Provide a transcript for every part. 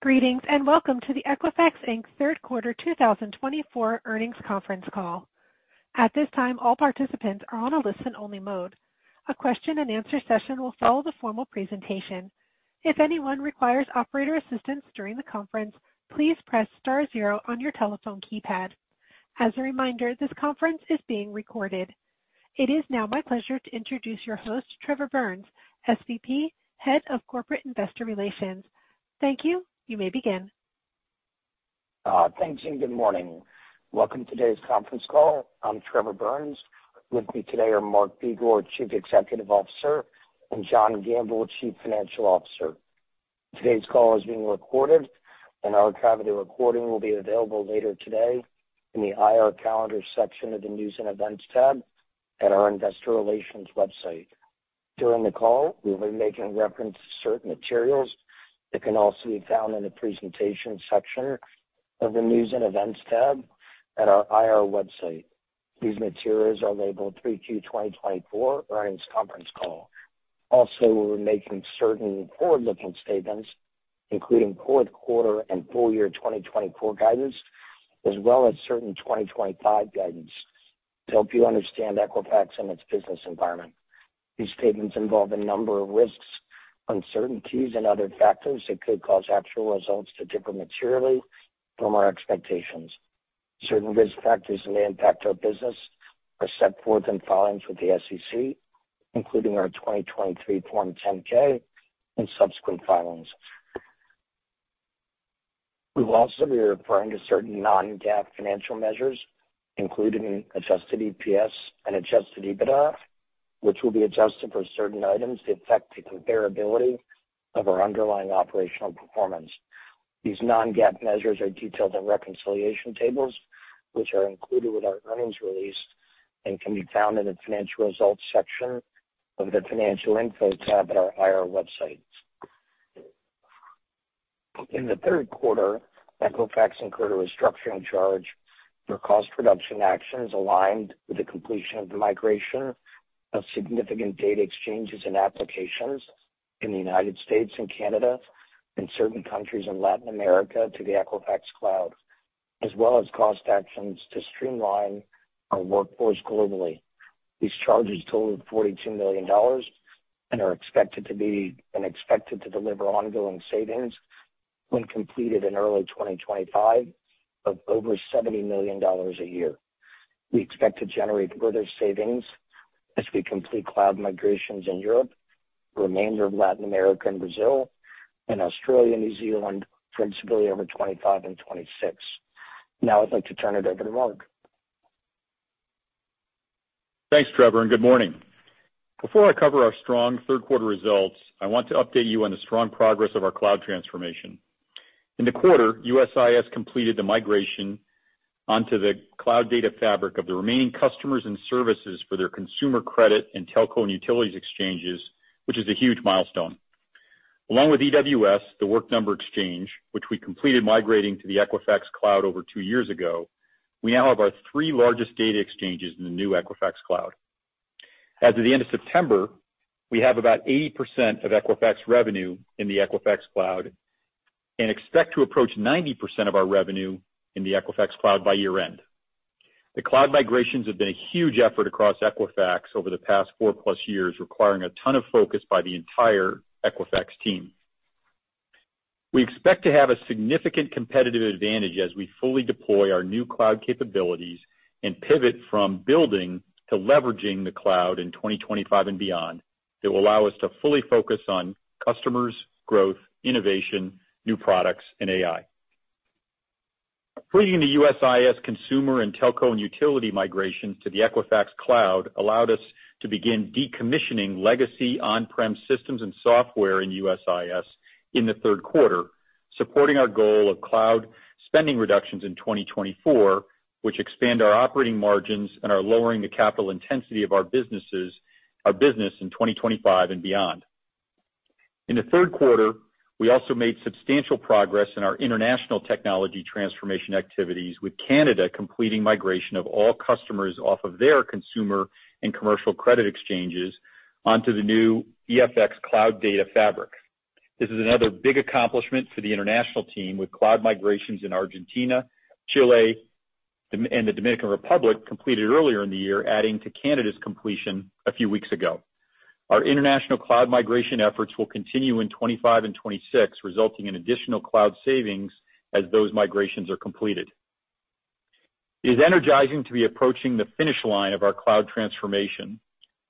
Greetings, and welcome to the Equifax Inc. Third Quarter 2024 Earnings Conference Call. At this time, all participants are on a listen-only mode. A question-and-answer session will follow the formal presentation. If anyone requires operator assistance during the conference, please press *0 on your telephone keypad. As a reminder, this conference is being recorded. It is now my pleasure to introduce your host, Trevor Burns, SVP, Head of Corporate Investor Relations. Thank you. You may begin. Thanks, and good morning. Welcome to today's conference call. I'm Trevor Burns. With me today are Mark Begor, Chief Executive Officer, and John Gamble, Chief Financial Officer. Today's call is being recorded, and our copy of the recording will be available later today in the IR Calendar section of the News and Events tab at our Investor Relations website. During the call, we will be making reference to certain materials that can also be found in the Presentation section of the News and Events tab at our IR website. These materials are labeled 3Q 2024 Earnings Conference Call. Also, we're making certain forward-looking statements, including fourth quarter and full year 2024 guidance, as well as certain 2025 guidance to help you understand Equifax and its business environment. These statements involve a number of risks, uncertainties, and other factors that could cause actual results to differ materially from our expectations. Certain risk factors that may impact our business are set forth in filings with the SEC, including our 2023 Form 10-K and subsequent filings. We will also be referring to certain non-GAAP financial measures, including adjusted EPS and adjusted EBITDA, which will be adjusted for certain items that affect the comparability of our underlying operational performance. These non-GAAP measures are detailed in reconciliation tables, which are included with our earnings release and can be found in the Financial Results section of the Financial Info tab at our IR website. In the third quarter, Equifax incurred a restructuring charge for cost reduction actions aligned with the completion of the migration of significant data exchanges and applications in the United States and Canada and certain countries in Latin America to the Equifax Cloud, as well as cost actions to streamline our workforce globally. These charges totaled $42 million and are expected to deliver ongoing savings when completed in early 2025 of over $70 million a year. We expect to generate further savings as we complete cloud migrations in Europe, the remainder of Latin America and Brazil, and Australia, New Zealand, principally over 2025 and 2026. Now I'd like to turn it over to Mark. Thanks, Trevor, and good morning. Before I cover our strong third quarter results, I want to update you on the strong progress of our cloud transformation. In the quarter, USIS completed the migration onto the cloud data fabric of the remaining customers and services for their consumer credit and telco and utilities exchanges, which is a huge milestone. Along with EWS, The Work Number exchange, which we completed migrating to the Equifax Cloud over two years ago, we now have our three largest data exchanges in the new Equifax Cloud. As of the end of September, we have about 80% of Equifax revenue in the Equifax Cloud and expect to approach 90% of our revenue in the Equifax Cloud by year-end. The cloud migrations have been a huge effort across Equifax over the past four-plus years, requiring a ton of focus by the entire Equifax team. We expect to have a significant competitive advantage as we fully deploy our new cloud capabilities and pivot from building to leveraging the cloud in 2025 and beyond. That will allow us to fully focus on customers, growth, innovation, new products, and AI. Bringing the USIS consumer and telco and utility migrations to the Equifax Cloud allowed us to begin decommissioning legacy on-prem systems and software in USIS in the third quarter, supporting our goal of cloud spending reductions in 2024, which expand our operating margins and are lowering the capital intensity of our businesses, our business in 2025 and beyond. In the third quarter, we also made substantial progress in our international technology transformation activities, with Canada completing migration of all customers off of their consumer and commercial credit exchanges onto the new EFX Cloud Data Fabric. This is another big accomplishment for the international team, with cloud migrations in Argentina, Chile, and the Dominican Republic completed earlier in the year, adding to Canada's completion a few weeks ago. Our international cloud migration efforts will continue in 2025 and 2026, resulting in additional cloud savings as those migrations are completed. It is energizing to be approaching the finish line of our cloud transformation.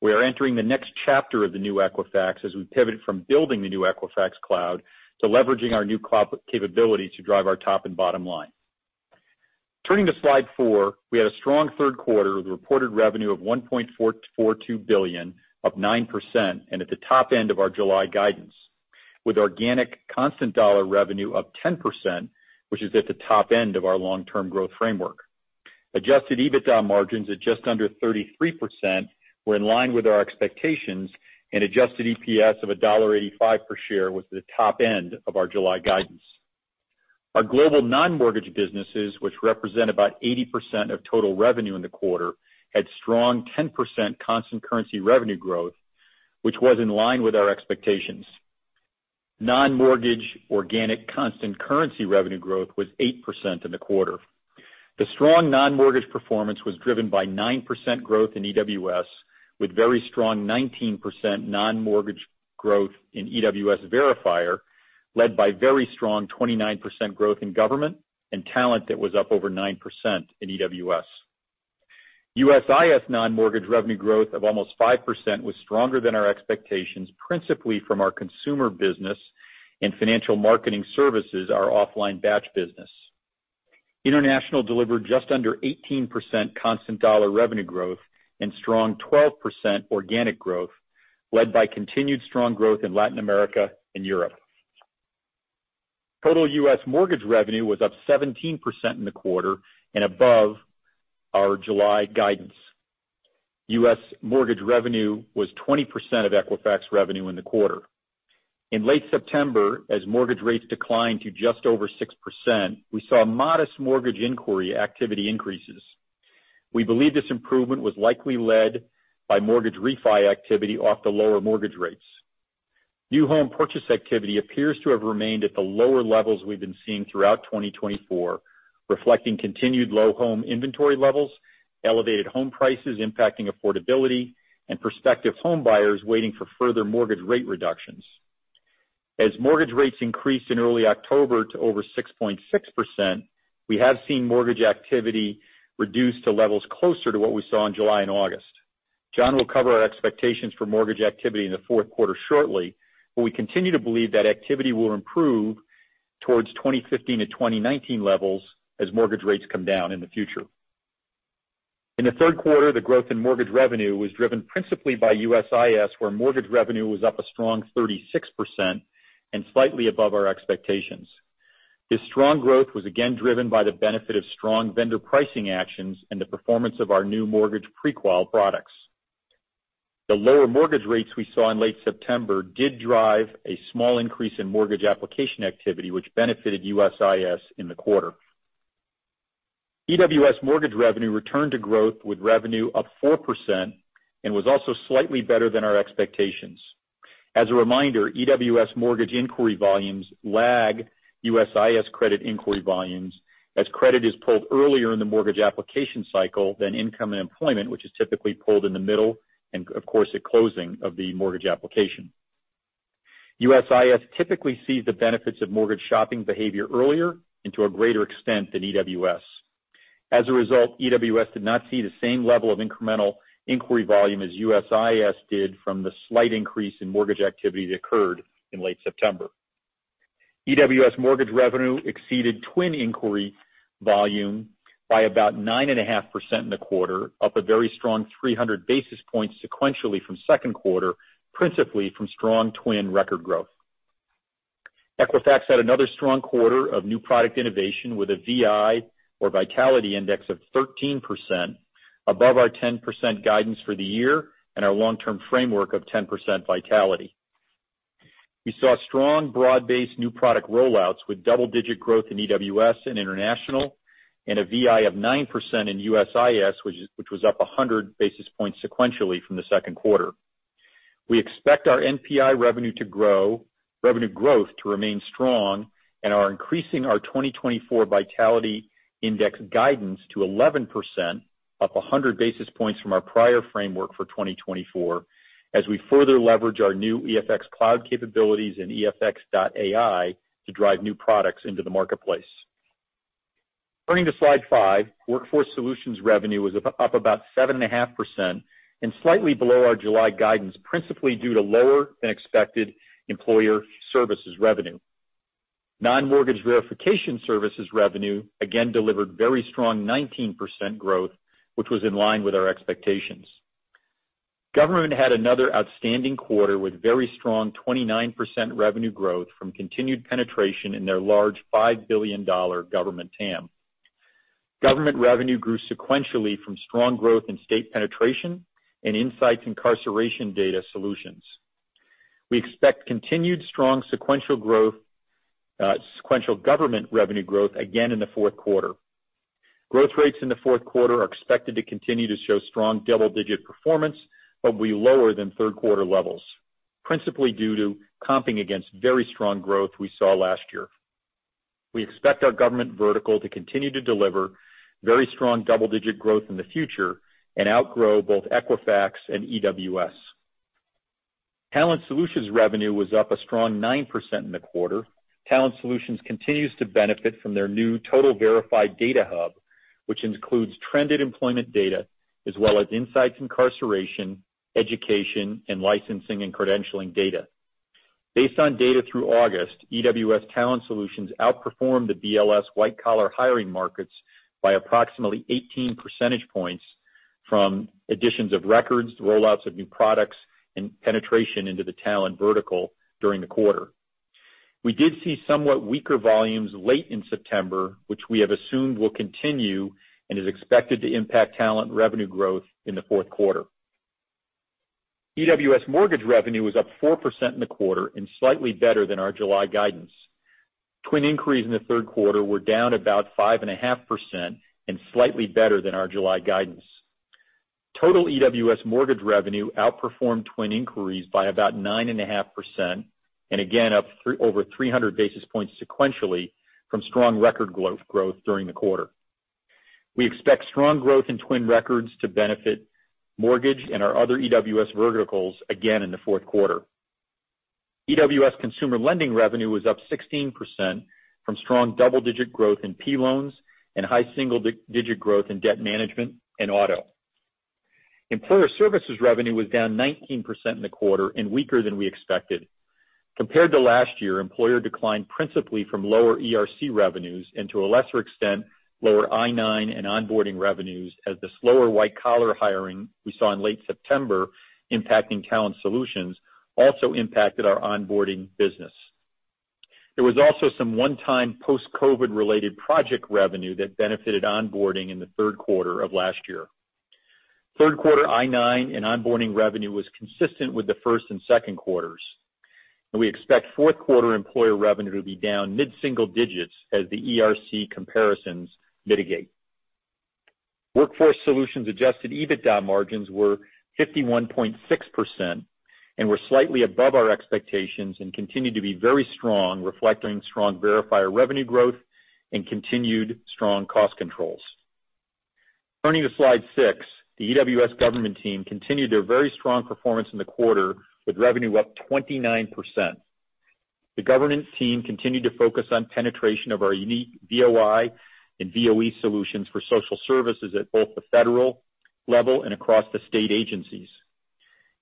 We are entering the next chapter of the new Equifax as we pivot from building the new Equifax Cloud to leveraging our new cloud capability to drive our top and bottom line. Turning to slide 4, we had a strong third quarter with reported revenue of $1.42 billion, up 9%, and at the top end of our July guidance, with organic constant dollar revenue up 10%, which is at the top end of our long-term growth framework. Adjusted EBITDA margins at just under 33% were in line with our expectations, and adjusted EPS of $1.85 per share was at the top end of our July guidance. Our global non-mortgage businesses, which represent about 80% of total revenue in the quarter, had strong 10% constant currency revenue growth, which was in line with our expectations. Non-mortgage organic constant currency revenue growth was 8% in the quarter. The strong non-mortgage performance was driven by 9% growth in EWS, with very strong 19% non-mortgage growth in EWS verifier, led by very strong 29% growth in government and talent that was up over 9% in EWS. USIS non-mortgage revenue growth of almost 5% was stronger than our expectations, principally from our consumer business and Financial Marketing Services, our offline batch business. International delivered just under 18% constant dollar revenue growth and strong 12% organic growth, led by continued strong growth in Latin America and Europe. Total U.S. mortgage revenue was up 17% in the quarter and above our July guidance. U.S. mortgage revenue was 20% of Equifax revenue in the quarter. In late September, as mortgage rates declined to just over 6%, we saw modest mortgage inquiry activity increases. We believe this improvement was likely led by mortgage refi activity off the lower mortgage rates. New home purchase activity appears to have remained at the lower levels we've been seeing throughout 2024, reflecting continued low home inventory levels, elevated home prices impacting affordability, and prospective home buyers waiting for further mortgage rate reductions. As mortgage rates increased in early October to over 6.6%, we have seen mortgage activity reduce to levels closer to what we saw in July and August. John will cover our expectations for mortgage activity in the fourth quarter shortly, but we continue to believe that activity will improve towards 2015 to 2019 levels as mortgage rates come down in the future. In the third quarter, the growth in mortgage revenue was driven principally by USIS, where mortgage revenue was up a strong 36% and slightly above our expectations. This strong growth was again driven by the benefit of strong vendor pricing actions and the performance of our new mortgage pre-qual products. The lower mortgage rates we saw in late September did drive a small increase in mortgage application activity, which benefited USIS in the quarter. EWS mortgage revenue returned to growth, with revenue up 4% and was also slightly better than our expectations. As a reminder, EWS mortgage inquiry volumes lag USIS credit inquiry volumes, as credit is pulled earlier in the mortgage application cycle than income and employment, which is typically pulled in the middle, and of course, at closing of the mortgage application. USIS typically sees the benefits of mortgage shopping behavior earlier and to a greater extent than EWS. As a result, EWS did not see the same level of incremental inquiry volume as USIS did from the slight increase in mortgage activity that occurred in late September. EWS mortgage revenue exceeded TWN inquiry volume by about 9.5% in the quarter, up a very strong 300 basis points sequentially from second quarter, principally from strong TWN record growth. Equifax had another strong quarter of new product innovation with a VI, or Vitality Index, of 13%, above our 10% guidance for the year and our long-term framework of 10% Vitality. We saw strong, broad-based new product rollouts with double-digit growth in EWS and international, and a VI of 9% in USIS, which was up 100 basis points sequentially from the second quarter. We expect our NPI revenue to grow, revenue growth to remain strong and are increasing our 2024 Vitality Index guidance to 11%, up 100 basis points from our prior framework for 2024, as we further leverage our new EFX Cloud capabilities and EFX.AI to drive new products into the marketplace. Turning to slide five. Workforce Solutions revenue was up about 7.5% and slightly below our July guidance, principally due to lower than expected Employer Services revenue. Non-mortgage verification services revenue again delivered very strong 19% growth, which was in line with our expectations. Government had another outstanding quarter with very strong 29% revenue growth from continued penetration in their large $5 billion government TAM. Government revenue grew sequentially from strong growth in state penetration and Insights incarceration data solutions. We expect continued strong sequential growth, sequential government revenue growth again in the fourth quarter. Growth rates in the fourth quarter are expected to continue to show strong double-digit performance, but will be lower than third quarter levels, principally due to comping against very strong growth we saw last year. We expect our government vertical to continue to deliver very strong double-digit growth in the future and outgrow both Equifax and EWS. Talent Solutions revenue was up a strong 9% in the quarter. Talent Solutions continues to benefit from their new TotalVerify data hub, which includes trended employment data, as well as insights, incarceration, education, and licensing and credentialing data. Based on data through August, EWS Talent Solutions outperformed the BLS white-collar hiring markets by approximately 18 percentage points from additions of records, rollouts of new products, and penetration into the talent vertical during the quarter. We did see somewhat weaker volumes late in September, which we have assumed will continue and is expected to impact talent revenue growth in the fourth quarter. EWS mortgage revenue was up 4% in the quarter and slightly better than our July guidance. TWN inquiries in the third quarter were down about 5.5% and slightly better than our July guidance. Total EWS mortgage revenue outperformed TWN inquiries by about 9.5%, and again, up over 300 basis points sequentially from strong record growth during the quarter. We expect strong growth in TWN records to benefit mortgage and our other EWS verticals again in the fourth quarter. EWS consumer lending revenue was up 16% from strong double-digit growth in P loans and high single-digit growth in debt management and auto. Employer Services revenue was down 19% in the quarter and weaker than we expected. Compared to last year, employer declined principally from lower ERC revenues, and to a lesser extent, lower I-9 and onboarding revenues, as the slower white-collar hiring we saw in late September impacting Talent Solutions also impacted our Onboarding business. There was also some one-time post-COVID related project revenue that benefited onboarding in the third quarter of last year. Third quarter I-9 and onboarding revenue was consistent with the first and second quarters, and we expect fourth quarter employer revenue to be down mid-single digits as the ERC comparisons mitigate. Workforce Solutions adjusted EBITDA margins were 51.6% and were slightly above our expectations and continue to be very strong, reflecting strong verifier revenue growth and continued strong cost controls. Turning to slide six, the EWS government team continued their very strong performance in the quarter, with revenue up 29%. The government team continued to focus on penetration of our unique VOI and VOE solutions for social services at both the federal level and across the state agencies.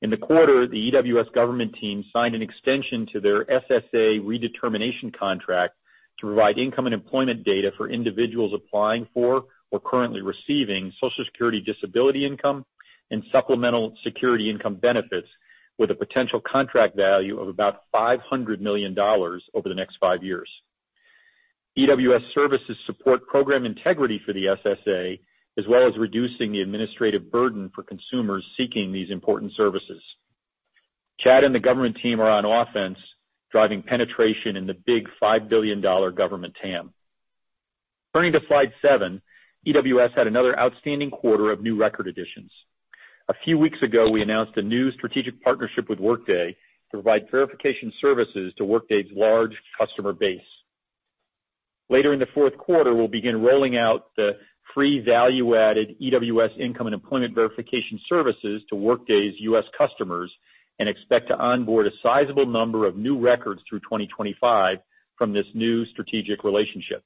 In the quarter, the EWS government team signed an extension to their SSA redetermination contract to provide income and employment data for individuals applying for or currently receiving Social Security disability income and supplemental security income benefits, with a potential contract value of about $500 million over the next five years. EWS services support program integrity for the SSA, as well as reducing the administrative burden for consumers seeking these important services. Chad and the government team are on offense, driving penetration in the big $5 billion government TAM. Turning to slide seven, EWS had another outstanding quarter of new record additions. A few weeks ago, we announced a new strategic partnership with Workday to provide verification services to Workday's large customer base. Later in the fourth quarter, we'll begin rolling out the free value-added EWS income and employment verification services to Workday's U.S. customers and expect to onboard a sizable number of new records through 2025 from this new strategic relationship.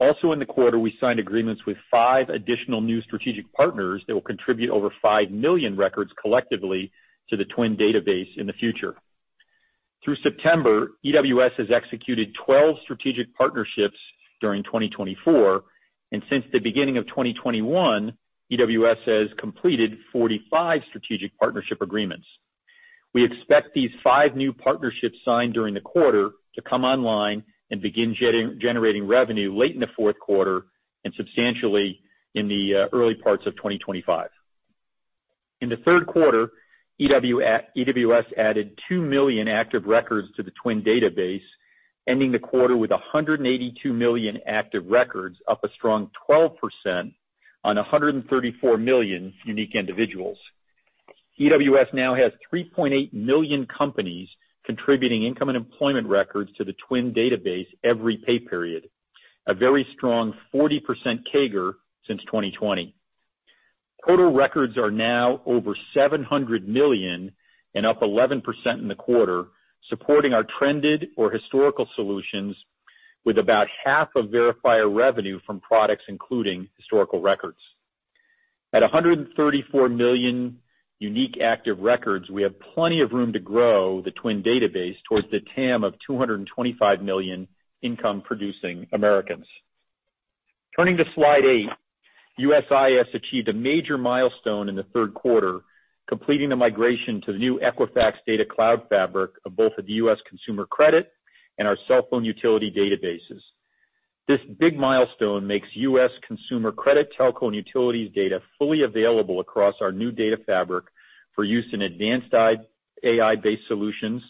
Also in the quarter, we signed agreements with five additional new strategic partners that will contribute over five million records collectively to the TWN database in the future. Through September, EWS has executed twelve strategic partnerships during 2024, and since the beginning of 2021, EWS has completed forty-five strategic partnership agreements. We expect these five new partnerships signed during the quarter to come online and begin generating revenue late in the fourth quarter and substantially in the early parts of 2025. In the third quarter, EWS added 2 million active records to the TWN database, ending the quarter with 182 million active records, up a strong 12% on 134 million unique individuals. EWS now has 3.8 million companies contributing income and employment records to the TWN database every pay period, a very strong 40% CAGR since 2020. Total records are now over 700 million and up 11% in the quarter, supporting our trended or historical solutions with about half of verifier revenue from products, including historical records. At 134 million unique active records, we have plenty of room to grow the TWN database towards the TAM of 225 million income-producing Americans. Turning to slide eight, USIS achieved a major milestone in the third quarter, completing the migration to the new Equifax Data Cloud Fabric of both of the U.S. consumer credit and our cell phone utility databases. This big milestone makes U.S. consumer credit, telco, and utilities data fully available across our new data fabric for use in advanced AI-based solutions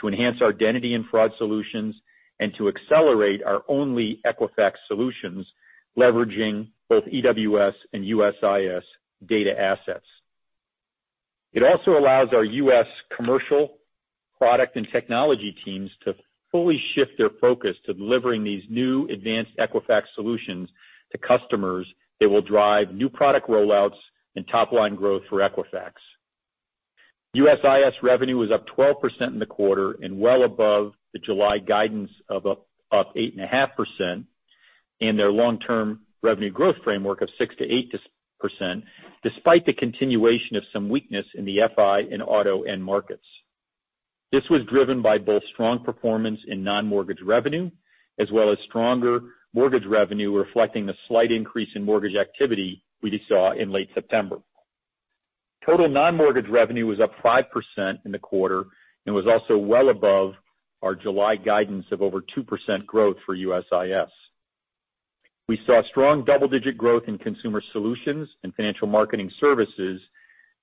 to enhance our Identity and Fraud solutions and to accelerate our Only Equifax solutions, leveraging both EWS and USIS data assets. It also allows our U.S. commercial product and technology teams to fully shift their focus to delivering these new advanced Equifax solutions to customers that will drive new product rollouts and top-line growth for Equifax. USIS revenue was up 12% in the quarter and well above the July guidance of up eight and a half percent, and their long-term revenue growth framework of 6%-8%, despite the continuation of some weakness in the FI and auto end markets. This was driven by both strong performance in non-mortgage revenue, as well as stronger mortgage revenue, reflecting the slight increase in mortgage activity we just saw in late September. Total non-mortgage revenue was up 5% in the quarter and was also well above our July guidance of over 2% growth for USIS. We saw strong double-digit growth in consumer solutions and Financial Marketing Services,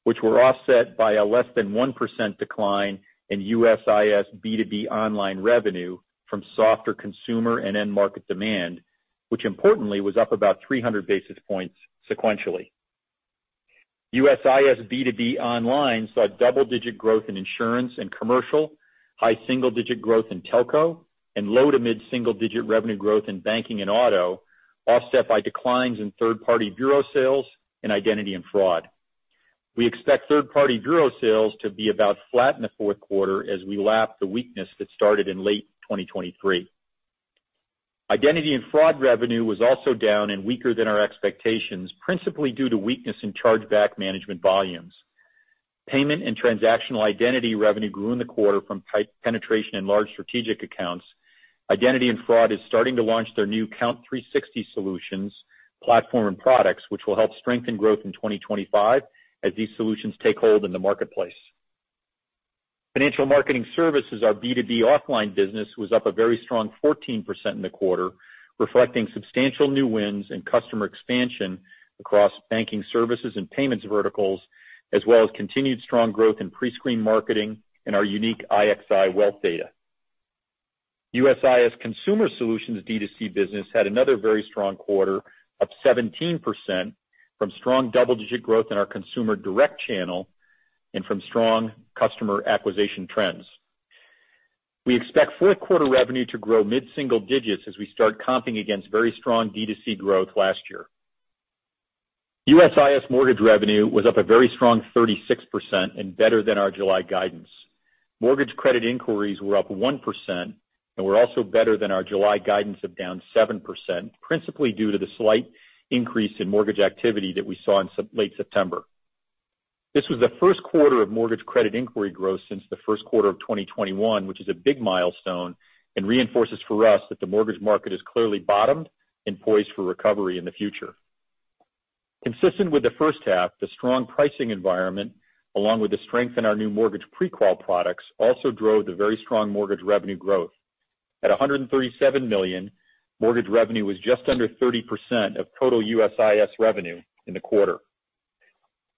which were offset by a less than 1% decline in USIS B2B online revenue from softer consumer and end market demand, which importantly, was up about 300 basis points sequentially. USIS B2B online saw double-digit growth in insurance and commercial, high single-digit growth in telco, and low to mid single-digit revenue growth in banking and auto, offset by declines in third-party bureau sales and Identity and Fraud. We expect third-party bureau sales to be about flat in the fourth quarter as we lap the weakness that started in late 2023. Identity and Fraud revenue was also down and weaker than our expectations, principally due to weakness in chargeback management volumes. Payment and transactional identity revenue grew in the quarter from tight penetration in large strategic accounts. Identity and Fraud is starting to launch their new Kount 360 solutions, platform, and products, which will help strengthen growth in 2025 as these solutions take hold in the marketplace. Financial Marketing Services, our B2B offline business, was up a very strong 14% in the quarter, reflecting substantial new wins and customer expansion across banking services and payments verticals, as well as continued strong growth in pre-screened marketing and our unique IXI wealth data. USIS Consumer Solutions D2C business had another very strong quarter, up 17% from strong double-digit growth in our consumer direct channel and from strong customer acquisition trends. We expect fourth quarter revenue to grow mid-single digits as we start comping against very strong D2C growth last year. USIS mortgage revenue was up a very strong 36% and better than our July guidance. Mortgage credit inquiries were up 1% and were also better than our July guidance of down 7%, principally due to the slight increase in mortgage activity that we saw in late September. This was the first quarter of mortgage credit inquiry growth since the first quarter of 2021, which is a big milestone and reinforces for us that the mortgage market has clearly bottomed and poised for recovery in the future. Consistent with the first half, the strong pricing environment, along with the strength in our new mortgage pre-qual products, also drove the very strong mortgage revenue growth. At $137 million, mortgage revenue was just under 30% of total USIS revenue in the quarter.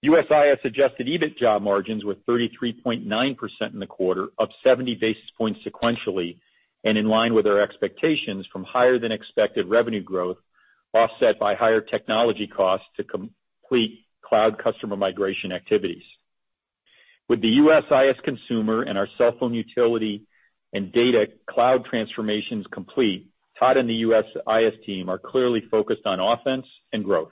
USIS adjusted EBITDA margins were 33.9% in the quarter, up seventy basis points sequentially, and in line with our expectations from higher than expected revenue growth, offset by higher technology costs to complete cloud customer migration activities. With the USIS consumer and our cell phone utility and data cloud transformations complete, Todd and the USIS team are clearly focused on offense and growth.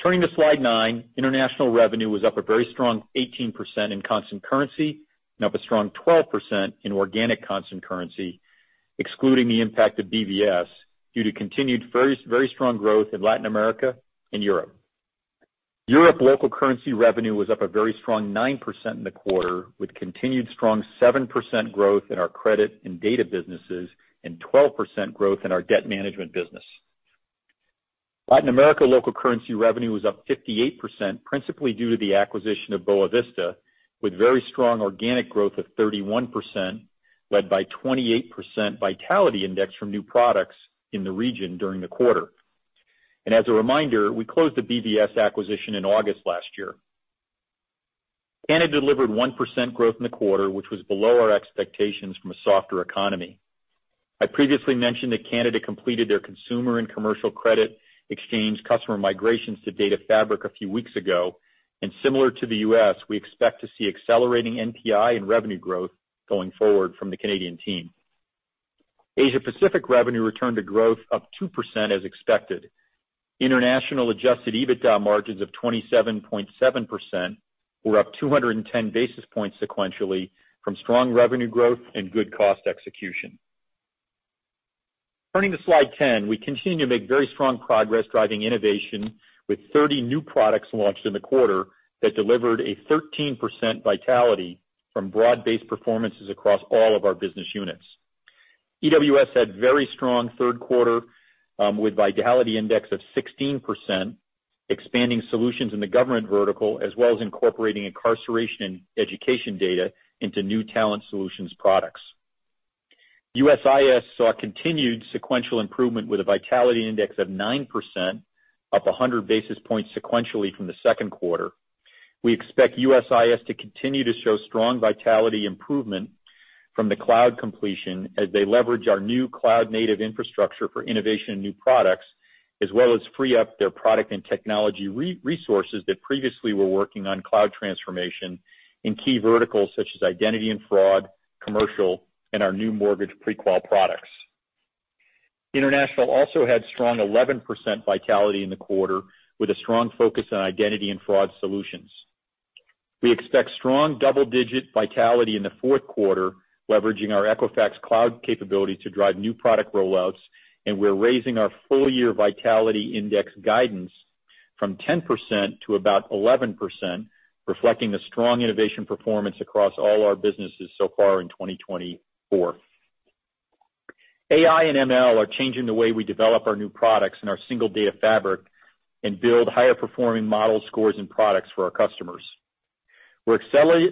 Turning to slide nine, international revenue was up a very strong 18% in constant currency, and up a strong 12% in organic constant currency, excluding the impact of BVS, due to continued very, very strong growth in Latin America and Europe. Europe local currency revenue was up a very strong 9% in the quarter, with continued strong 7% growth in our credit and data businesses and 12% growth in our debt management business. Latin America local currency revenue was up 58%, principally due to the acquisition of Boa Vista, with very strong organic growth of 31%, led by 28% Vitality Index from new products in the region during the quarter. As a reminder, we closed the BVS acquisition in August last year. Canada delivered 1% growth in the quarter, which was below our expectations from a softer economy. I previously mentioned that Canada completed their consumer and commercial credit exchange customer migrations to Data Fabric a few weeks ago, and similar to the U.S., we expect to see accelerating NPI and revenue growth going forward from the Canadian team. Asia Pacific revenue returned to growth up 2% as expected. International adjusted EBITDA margins of 27.7% were up 210 basis points sequentially from strong revenue growth and good cost execution. Turning to slide 10, we continue to make very strong progress driving innovation with 30 new products launched in the quarter that delivered a 13% Vitality from broad-based performances across all of our business units. EWS had very strong third quarter with a Vitality Index of 16%, expanding solutions in the government vertical, as well as incorporating incarceration and education data into new Talent Solutions products. USIS saw continued sequential improvement with a Vitality Index of 9%, up 100 basis points sequentially from the second quarter. We expect USIS to continue to show strong vitality improvement from the cloud completion as they leverage our new cloud-native infrastructure for innovation and new products, as well as free up their product and technology resources that previously were working on cloud transformation in key verticals such as Identity and Fraud, commercial, and our new mortgage pre-qual products. International also had strong 11% vitality in the quarter, with a strong focus on Identity and Fraud solutions. We expect strong double-digit vitality in the fourth quarter, leveraging our Equifax Cloud capability to drive new product rollouts, and we're raising our full-year Vitality Index guidance from 10% to about 11%, reflecting the strong innovation performance across all our businesses so far in 2024. AI and ML are changing the way we develop our new products in our single data fabric and build higher performing model scores and products for our customers. We're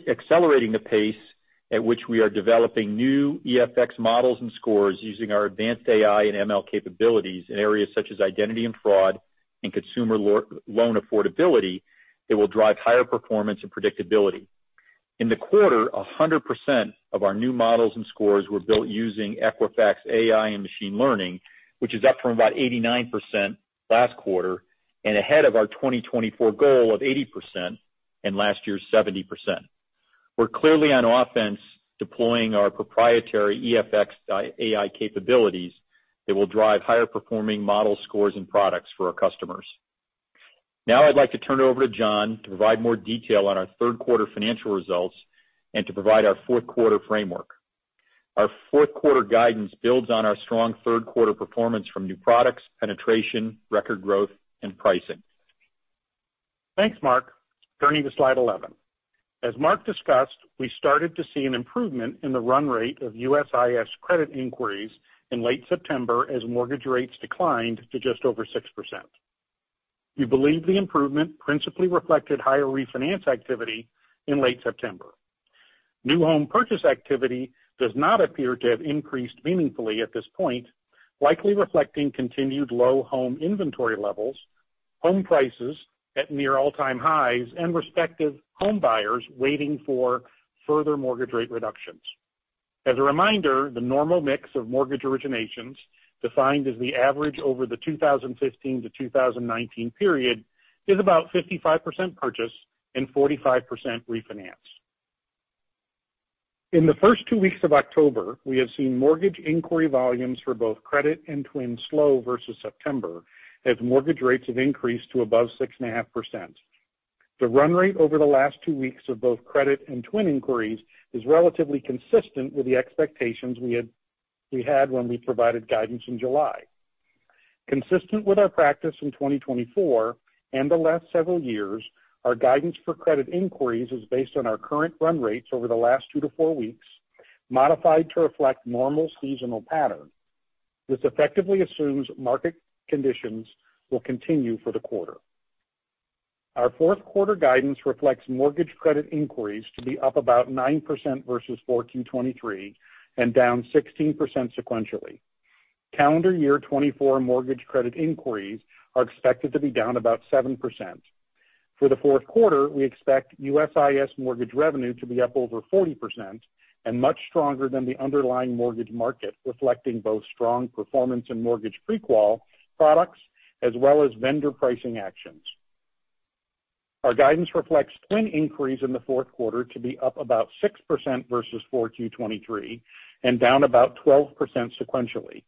accelerating the pace at which we are developing new EFX models and scores using our advanced AI and ML capabilities in areas such as Identity and Fraud and consumer loan affordability that will drive higher performance and predictability. In the quarter, 100% of our new models and scores were built using Equifax AI and machine learning, which is up from about 89% last quarter and ahead of our 2024 goal of 80% and last year's 70%. We're clearly on offense deploying our proprietary EFX AI capabilities that will drive higher performing model scores and products for our customers. Now I'd like to turn it over to John to provide more detail on our third quarter financial results and to provide our fourth quarter framework. Our fourth quarter guidance builds on our strong third quarter performance from new products, penetration, record growth, and pricing. Thanks, Mark. Turning to slide 11. As Mark discussed, we started to see an improvement in the run rate of USIS credit inquiries in late September, as mortgage rates declined to just over 6%. We believe the improvement principally reflected higher refinance activity in late September. New home purchase activity does not appear to have increased meaningfully at this point, likely reflecting continued low home inventory levels, home prices at near all-time highs, and respective home buyers waiting for further mortgage rate reductions. As a reminder, the normal mix of mortgage originations, defined as the average over the 2015 to 2019 period, is about 55% purchase and 45% refinance. In the first two weeks of October, we have seen mortgage inquiry volumes for both credit and TWN slow versus September, as mortgage rates have increased to above 6.5%. The run rate over the last two weeks of both credit and TWN inquiries is relatively consistent with the expectations we had when we provided guidance in July. Consistent with our practice in 2024 and the last several years, our guidance for credit inquiries is based on our current run rates over the last two-four weeks, modified to reflect normal seasonal pattern. This effectively assumes market conditions will continue for the quarter. Our fourth quarter guidance reflects mortgage credit inquiries to be up about 9% versus 4Q 2023, and down 16% sequentially. Calendar year 2024 mortgage credit inquiries are expected to be down about 7%. For the fourth quarter, we expect USIS mortgage revenue to be up over 40% and much stronger than the underlying mortgage market, reflecting both strong performance and mortgage pre-qual products, as well as vendor pricing actions. Our guidance reflects TWN inquiries in the fourth quarter to be up about 6% versus 4Q 2023, and down about 12% sequentially.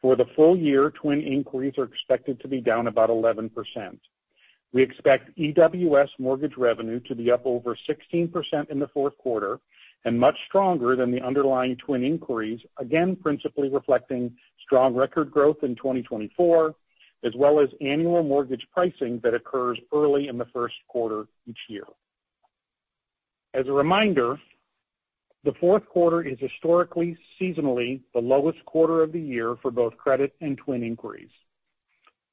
For the full year, TWN inquiries are expected to be down about 11%. We expect EWS mortgage revenue to be up over 16% in the fourth quarter and much stronger than the underlying TWN inquiries, again, principally reflecting strong record growth in 2024, as well as annual mortgage pricing that occurs early in the first quarter each year. As a reminder, the fourth quarter is historically, seasonally, the lowest quarter of the year for both credit and TWN inquiries.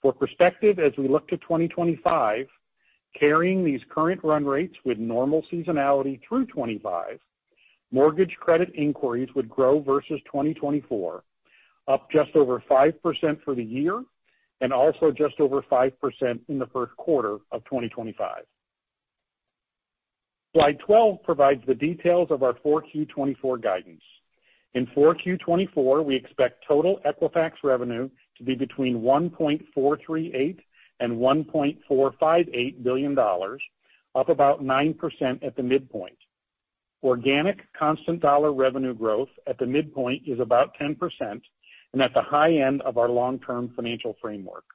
For perspective, as we look to 2025, carrying these current run rates with normal seasonality through 2025, mortgage credit inquiries would grow versus 2024, up just over 5% for the year and also just over 5% in the first quarter of 2025. Slide 12 provides the details of our 4Q 2024 guidance. In 4Q 2024, we expect total Equifax revenue to be between $1.438 billion and $1.458 billion, up about 9% at the midpoint. Organic constant dollar revenue growth at the midpoint is about 10% and at the high end of our long-term financial framework.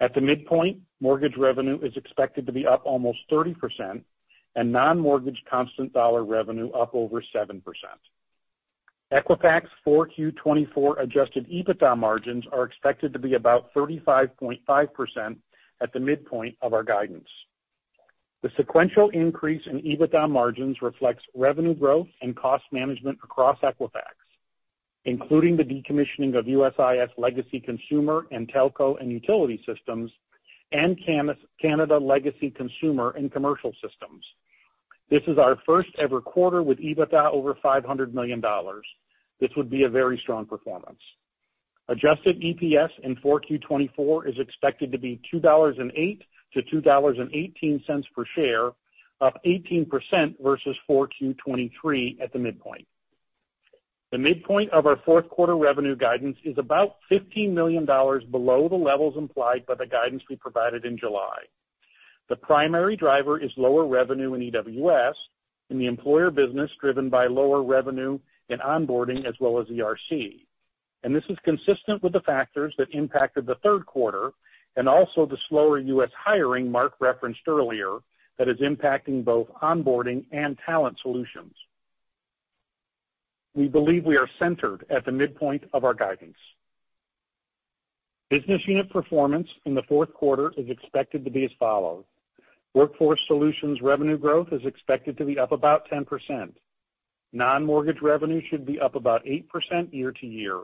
At the midpoint, mortgage revenue is expected to be up almost 30% and non-mortgage constant dollar revenue up over 7%. Equifax 4Q 2024 adjusted EBITDA margins are expected to be about 35.5% at the midpoint of our guidance. The sequential increase in EBITDA margins reflects revenue growth and cost management across Equifax, including the decommissioning of USIS legacy consumer and telco and utility systems, and Canada legacy consumer and commercial systems. This is our first ever quarter with EBITDA over $500 million. This would be a very strong performance. Adjusted EPS in 4Q 2024 is expected to be $2.08 to $2.18 per share, up 18% versus 4Q 2023 at the midpoint. The midpoint of our fourth quarter revenue guidance is about $15 million below the levels implied by the guidance we provided in July. The primary driver is lower revenue in EWS, in the employer business, driven by lower revenue and onboarding, as well as ERC. And this is consistent with the factors that impacted the third quarter and also the slower U.S. hiring Mark referenced earlier, that is impacting both Onboarding and Talent Solutions. We believe we are centered at the midpoint of our guidance. Business unit performance in the fourth quarter is expected to be as follows: Workforce Solutions revenue growth is expected to be up about 10%. Non-mortgage revenue should be up about 8% year-to-year.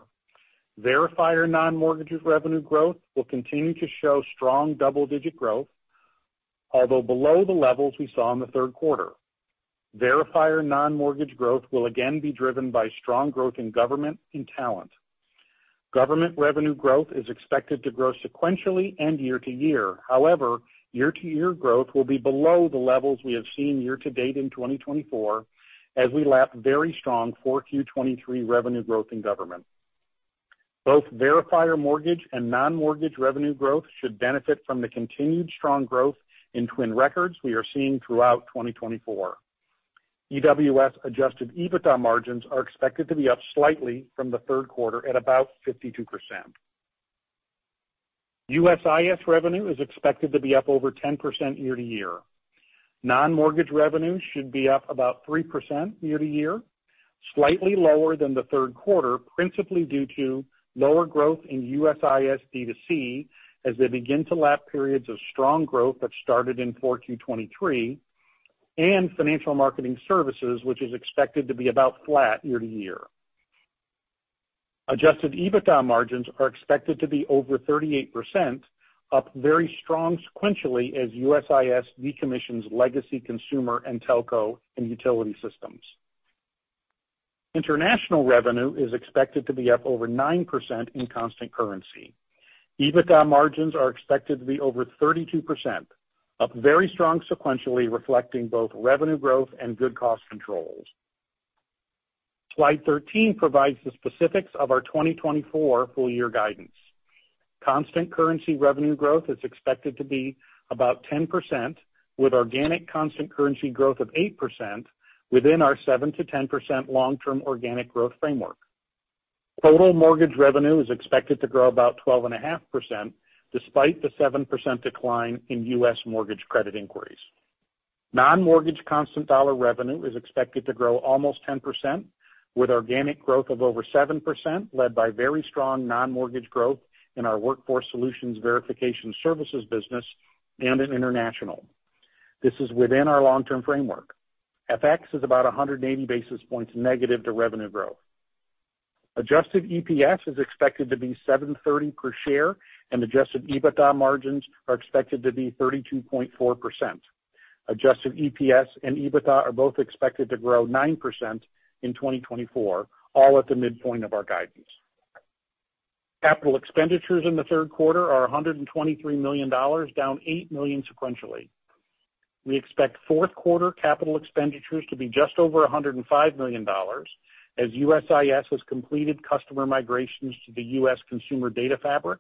Verifier non-mortgages revenue growth will continue to show strong double-digit growth, although below the levels we saw in the third quarter. Verifier non-mortgage growth will again be driven by strong growth in government and talent. Government revenue growth is expected to grow sequentially and year-to-year. However, year-to-year growth will be below the levels we have seen year-to-date in 2024, as we lap very strong 4Q 2023 revenue growth in government. Both verifier mortgage and non-mortgage revenue growth should benefit from the continued strong growth in TWN records we are seeing throughout 2024. EWS adjusted EBITDA margins are expected to be up slightly from the third quarter at about 52%. USIS revenue is expected to be up over 10% year to year. Non-mortgage revenue should be up about 3% year to year, slightly lower than the third quarter, principally due to lower growth in USIS B2C, as they begin to lap periods of strong growth that started in 4Q 2023, and Financial Marketing Services, which is expected to be about flat year to year. Adjusted EBITDA margins are expected to be over 38%, up very strong sequentially, as USIS decommissions legacy consumer and telco and utility systems. International revenue is expected to be up over 9% in constant currency. EBITDA margins are expected to be over 32%, up very strong sequentially, reflecting both revenue growth and good cost controls. Slide 13 provides the specifics of our 2024 full year guidance. Constant currency revenue growth is expected to be about 10%, with organic constant currency growth of 8% within our 7%-10% long-term organic growth framework. Total mortgage revenue is expected to grow about 12.5%, despite the 7% decline in US mortgage credit inquiries. Non-mortgage constant dollar revenue is expected to grow almost 10%, with organic growth of over 7%, led by very strong non-mortgage growth in our Workforce Solutions verification services business and in international. This is within our long-term framework. FX is about a hundred and eighty basis points negative to revenue growth. Adjusted EPS is expected to be $7.30 per share, and adjusted EBITDA margins are expected to be 32.4%. Adjusted EPS and EBITDA are both expected to grow 9% in 2024, all at the midpoint of our guidance. Capital expenditures in the third quarter are $123 million, down $8 million sequentially. We expect fourth quarter capital expenditures to be just over $105 million, as USIS has completed customer migrations to the U.S. consumer data fabric,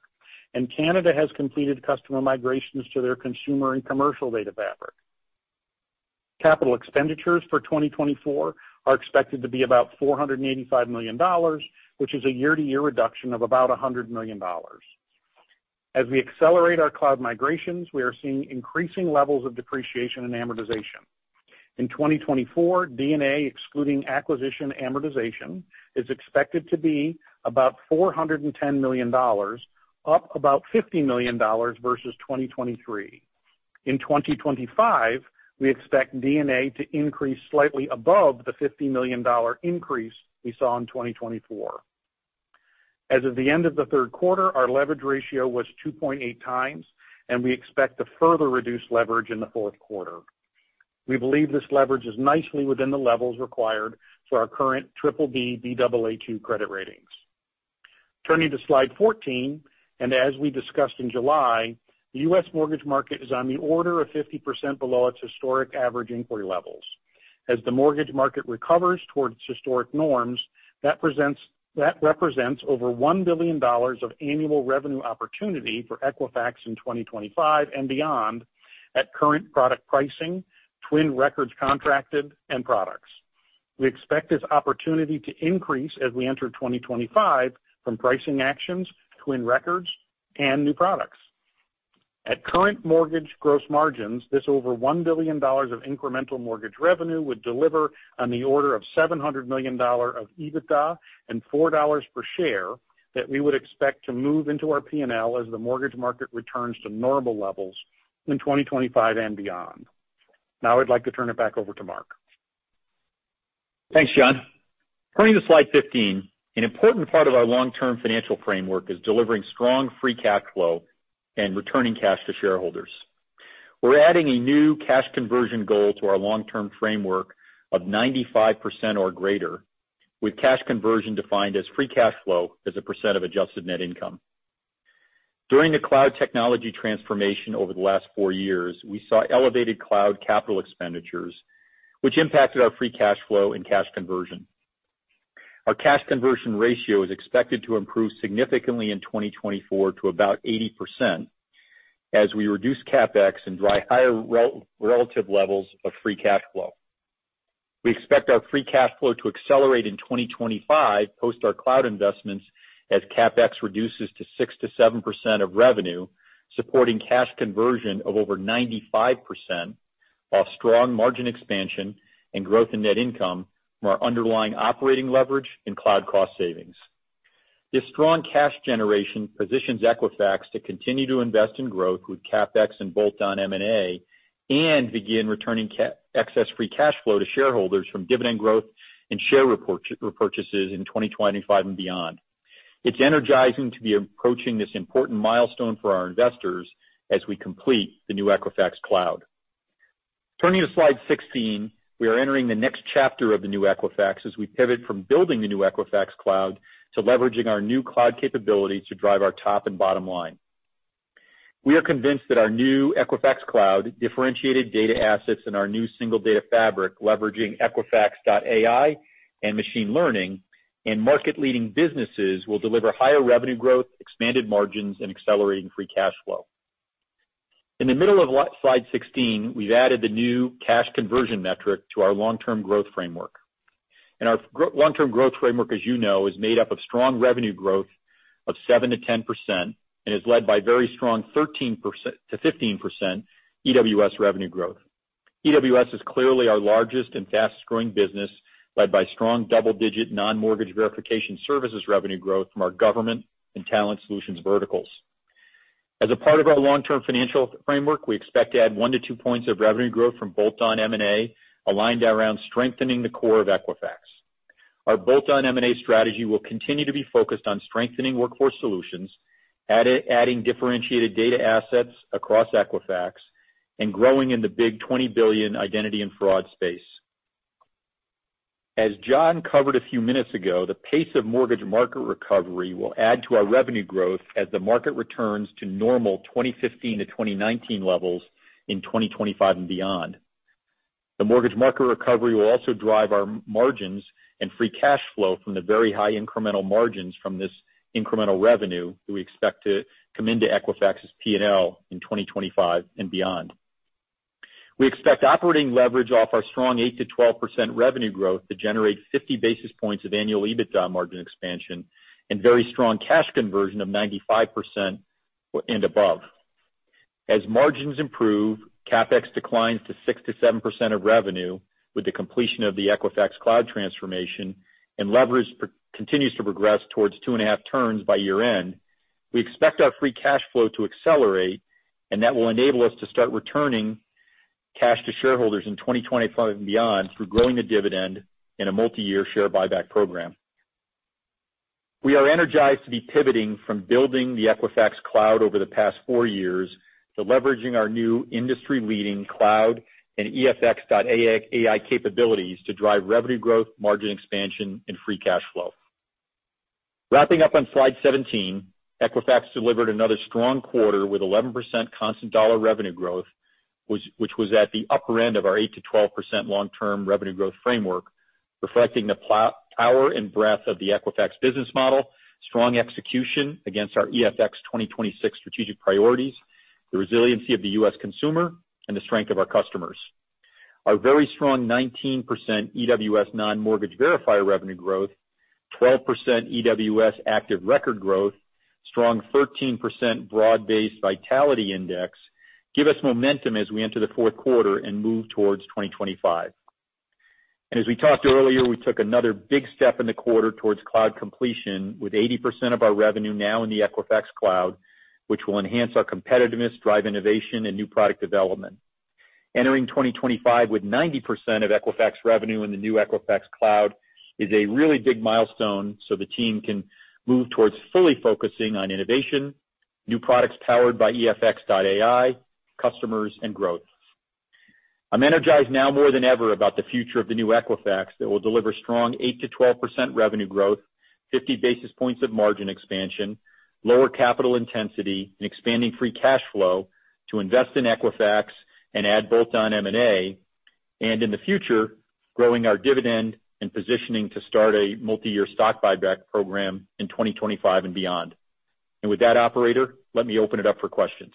and Canada has completed customer migrations to their consumer and commercial data fabric. Capital expenditures for 2024 are expected to be about $485 million, which is a year-to-year reduction of about $100 million. As we accelerate our cloud migrations, we are seeing increasing levels of depreciation and amortization. In 2024, D&A, excluding acquisition amortization, is expected to be about $410 million, up about $50 million versus 2023. In 2025, we expect D&A to increase slightly above the $50 million increase we saw in 2024. As of the end of the third quarter, our leverage ratio was 2.8x, and we expect to further reduce leverage in the fourth quarter. We believe this leverage is nicely within the levels required for our current BBB, Baa2 credit ratings. Turning to slide 14, and as we discussed in July, the U.S. mortgage market is on the order of 50% below its historic average inquiry levels. As the mortgage market recovers towards historic norms, that represents over $1 billion of annual revenue opportunity for Equifax in 2025 and beyond at current product pricing, TWN records contracted, and products. We expect this opportunity to increase as we enter 2025 from pricing actions, TWN records, and new products. At current mortgage gross margins, this over $1 billion of incremental mortgage revenue would deliver on the order of $700 million of EBITDA and $4 per share that we would expect to move into our P&L as the mortgage market returns to normal levels in 2025 and beyond. Now, I'd like to turn it back over to Mark. Thanks, John. Turning to slide 15. An important part of our long-term financial framework is delivering strong free cash flow and returning cash to shareholders. We're adding a new cash conversion goal to our long-term framework of 95% or greater, with cash conversion defined as free cash flow as a percent of adjusted net income. During the cloud technology transformation over the last four years, we saw elevated cloud capital expenditures, which impacted our free cash flow and cash conversion. Our cash conversion ratio is expected to improve significantly in 2024 to about 80% as we reduce CapEx and drive higher relative levels of free cash flow. We expect our free cash flow to accelerate in 2025 post our cloud investments, as CapEx reduces to 6%-7% of revenue, supporting cash conversion of over 95%, while strong margin expansion and growth in net income from our underlying operating leverage and cloud cost savings. This strong cash generation positions Equifax to continue to invest in growth with CapEx and bolt-on M&A, and begin returning excess free cash flow to shareholders from dividend growth and share repurchases in 2025 and beyond. It's energizing to be approaching this important milestone for our investors as we complete the new Equifax Cloud. Turning to slide 16, we are entering the next chapter of the new Equifax as we pivot from building the new Equifax Cloud to leveraging our new cloud capabilities to drive our top and bottom line. We are convinced that our new Equifax Cloud differentiated data assets and our new single data fabric, leveraging Equifax.ai and machine learning, and market-leading businesses will deliver higher revenue growth, expanded margins, and accelerating free cash flow. In the middle of slide 16, we've added the new cash conversion metric to our long-term growth framework. And our long-term growth framework, as you know, is made up of strong revenue growth of 7%-10% and is led by very strong 13%-15% EWS revenue growth. EWS is clearly our largest and fastest growing business, led by strong double-digit non-mortgage verification services revenue growth from our government and Talent Solutions verticals. As a part of our long-term financial framework, we expect to add one to two points of revenue growth from bolt-on M&A, aligned around strengthening the core of Equifax. Our bolt-on M&A strategy will continue to be focused on strengthening Workforce Solutions, adding differentiated data assets across Equifax and growing in the big $20 billion Identity and Fraud space. As John covered a few minutes ago, the pace of mortgage market recovery will add to our revenue growth as the market returns to normal 2015-2019 levels in 2025 and beyond. The mortgage market recovery will also drive our margins and free cash flow from the very high incremental margins from this incremental revenue that we expect to come into Equifax's P&L in 2025 and beyond. We expect operating leverage off our strong 8%-12% revenue growth to generate 50 basis points of annual EBITDA margin expansion and very strong cash conversion of 95% and above. As margins improve, CapEx declines to 6-7% of revenue with the completion of the Equifax Cloud transformation, and leverage continues to progress towards 2.5 turns by year-end. We expect our free cash flow to accelerate, and that will enable us to start returning cash to shareholders in 2025 and beyond through growing the dividend in a multiyear share buyback program. We are energized to be pivoting from building the Equifax Cloud over the past four years to leveraging our new industry-leading cloud and EFX.AI capabilities to drive revenue growth, margin expansion, and free cash flow. Wrapping up on slide 17, Equifax delivered another strong quarter with 11% constant dollar revenue growth, which was at the upper end of our 8%-12% long-term revenue growth framework, reflecting the power and breadth of the Equifax business model, strong execution against our EFX 2026 strategic priorities, the resiliency of the U.S. consumer, and the strength of our customers. Our very strong 19% EWS non-mortgage verifier revenue growth, 12% EWS active record growth, strong 13% broad-based Vitality Index give us momentum as we enter the fourth quarter and move towards 2025, and as we talked earlier, we took another big step in the quarter towards cloud completion, with 80% of our revenue now in the Equifax Cloud, which will enhance our competitiveness, drive innovation and new product development. Entering 2025 with 90% of Equifax revenue in the new Equifax Cloud is a really big milestone, so the team can move towards fully focusing on innovation, new products powered by EFX.AI, customers, and growth. I'm energized now more than ever about the future of the new Equifax that will deliver strong 8%-12% revenue growth, 50 basis points of margin expansion, lower capital intensity, and expanding free cash flow to invest in Equifax and add bolt-on M&A, and in the future, growing our dividend and positioning to start a multiyear stock buyback program in 2025 and beyond, and with that, operator, let me open it up for questions.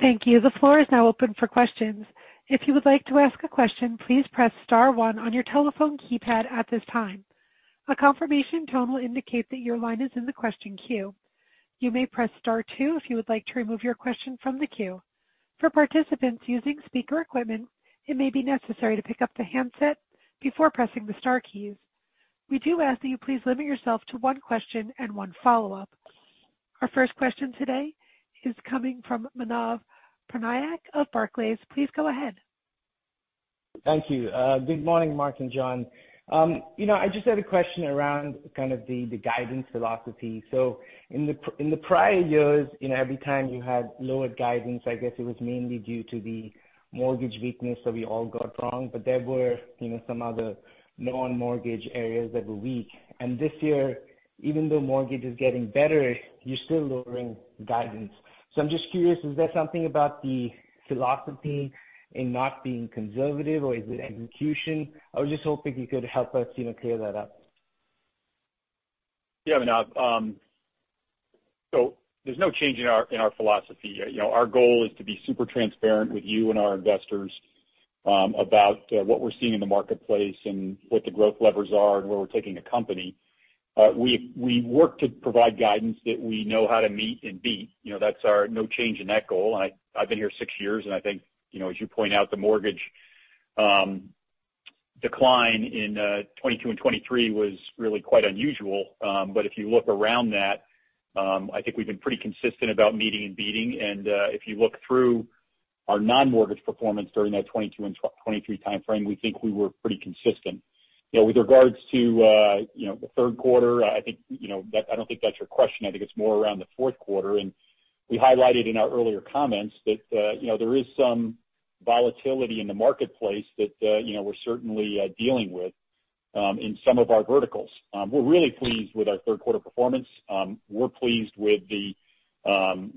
Thank you. The floor is now open for questions. If you would like to ask a question, please press *1 on your telephone keypad at this time. A confirmation tone will indicate that your line is in the question queue. You may press *2 if you would like to remove your question from the queue. For participants using speaker equipment, it may be necessary to pick up the handset before pressing the * keys. We do ask that you please limit yourself to one question and one follow-up. Our first question today is coming from Manav Patnaik of Barclays. Please go ahead. Thank you. Good morning, Mark and John. You know, I just had a question around kind of the guidance philosophy, so in the prior years, you know, every time you had lower guidance, I guess it was mainly due to the mortgage weakness that we all got wrong, but there were, you know, some other non-mortgage areas that were weak, and this year, even though mortgage is getting better, you're still lowering guidance, so I'm just curious, is there something about the philosophy in not being conservative, or is it execution? I was just hoping you could help us, you know, clear that up. Yeah, Manav, so there's no change in our, in our philosophy. You know, our goal is to be super transparent with you and our investors, about, what we're seeing in the marketplace and what the growth levers are and where we're taking the company. We work to provide guidance that we know how to meet and beat. You know, that's our no change in that goal. And I, I've been here six years, and I think, you know, as you point out, the mortgage decline in, 2022 and 2023 was really quite unusual. But if you look around that, I think we've been pretty consistent about meeting and beating. And, if you look through our non-mortgage performance during that 2022 and 2023 timeframe, we think we were pretty consistent. You know, with regards to, you know, the third quarter, I think, you know, that I don't think that's your question. I think it's more around the fourth quarter, and we highlighted in our earlier comments that, you know, there is some volatility in the marketplace that, you know, we're certainly dealing with in some of our verticals. We're really pleased with our third quarter performance. We're pleased with the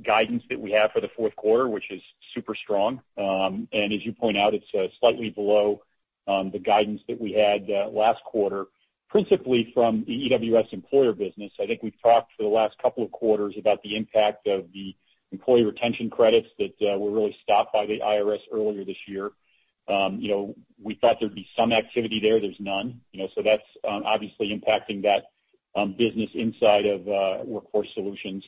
guidance that we have for the fourth quarter, which is super strong. And as you point out, it's slightly below the guidance that we had last quarter, principally from the EWS employer business. I think we've talked for the last couple of quarters about the impact of the employee retention credits that were really stopped by the IRS earlier this year. You know, we thought there'd be some activity there, there's none, you know, so that's obviously impacting that business inside of Workforce Solutions.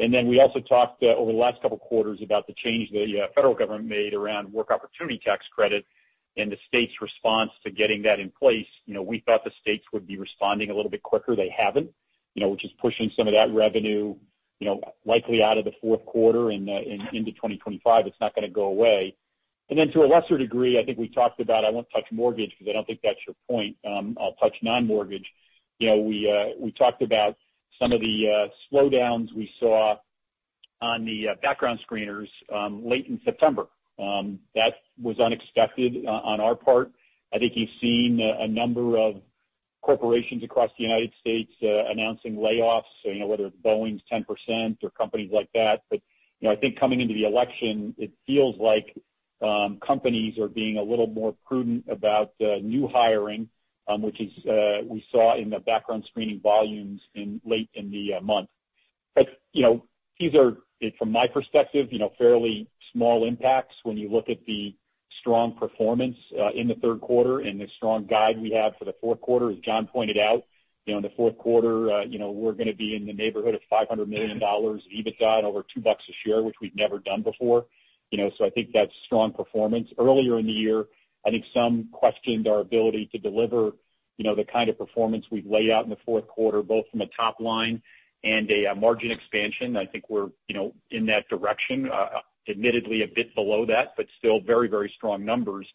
And then we also talked over the last couple quarters about the change the federal government made around Work Opportunity Tax Credit and the state's response to getting that in place. You know, we thought the states would be responding a little bit quicker, they haven't, you know, which is pushing some of that revenue, you know, likely out of the fourth quarter and into 2025. It's not gonna go away. And then to a lesser degree, I think we talked about. I won't touch mortgage because I don't think that's your point. I'll touch non-mortgage. You know, we talked about some of the slowdowns we saw on the background screening late in September. That was unexpected on our part. I think you've seen a number of corporations across the United States announcing layoffs, you know, whether it's Boeing's 10% or companies like that. But, you know, I think coming into the election, it feels like companies are being a little more prudent about new hiring, which we saw in the background screening volumes late in the month. But, you know, these are, from my perspective, you know, fairly small impacts when you look at the strong performance in the third quarter and the strong guide we have for the fourth quarter. As John pointed out, you know, in the fourth quarter, you know, we're gonna be in the neighborhood of $500 million of EBITDA and over $2 a share, which we've never done before, you know, so I think that's strong performance. Earlier in the year, I think some questioned our ability to deliver, you know, the kind of performance we've laid out in the fourth quarter, both from a top line and a margin expansion. I think we're, you know, in that direction, admittedly a bit below that, but still very, very strong numbers.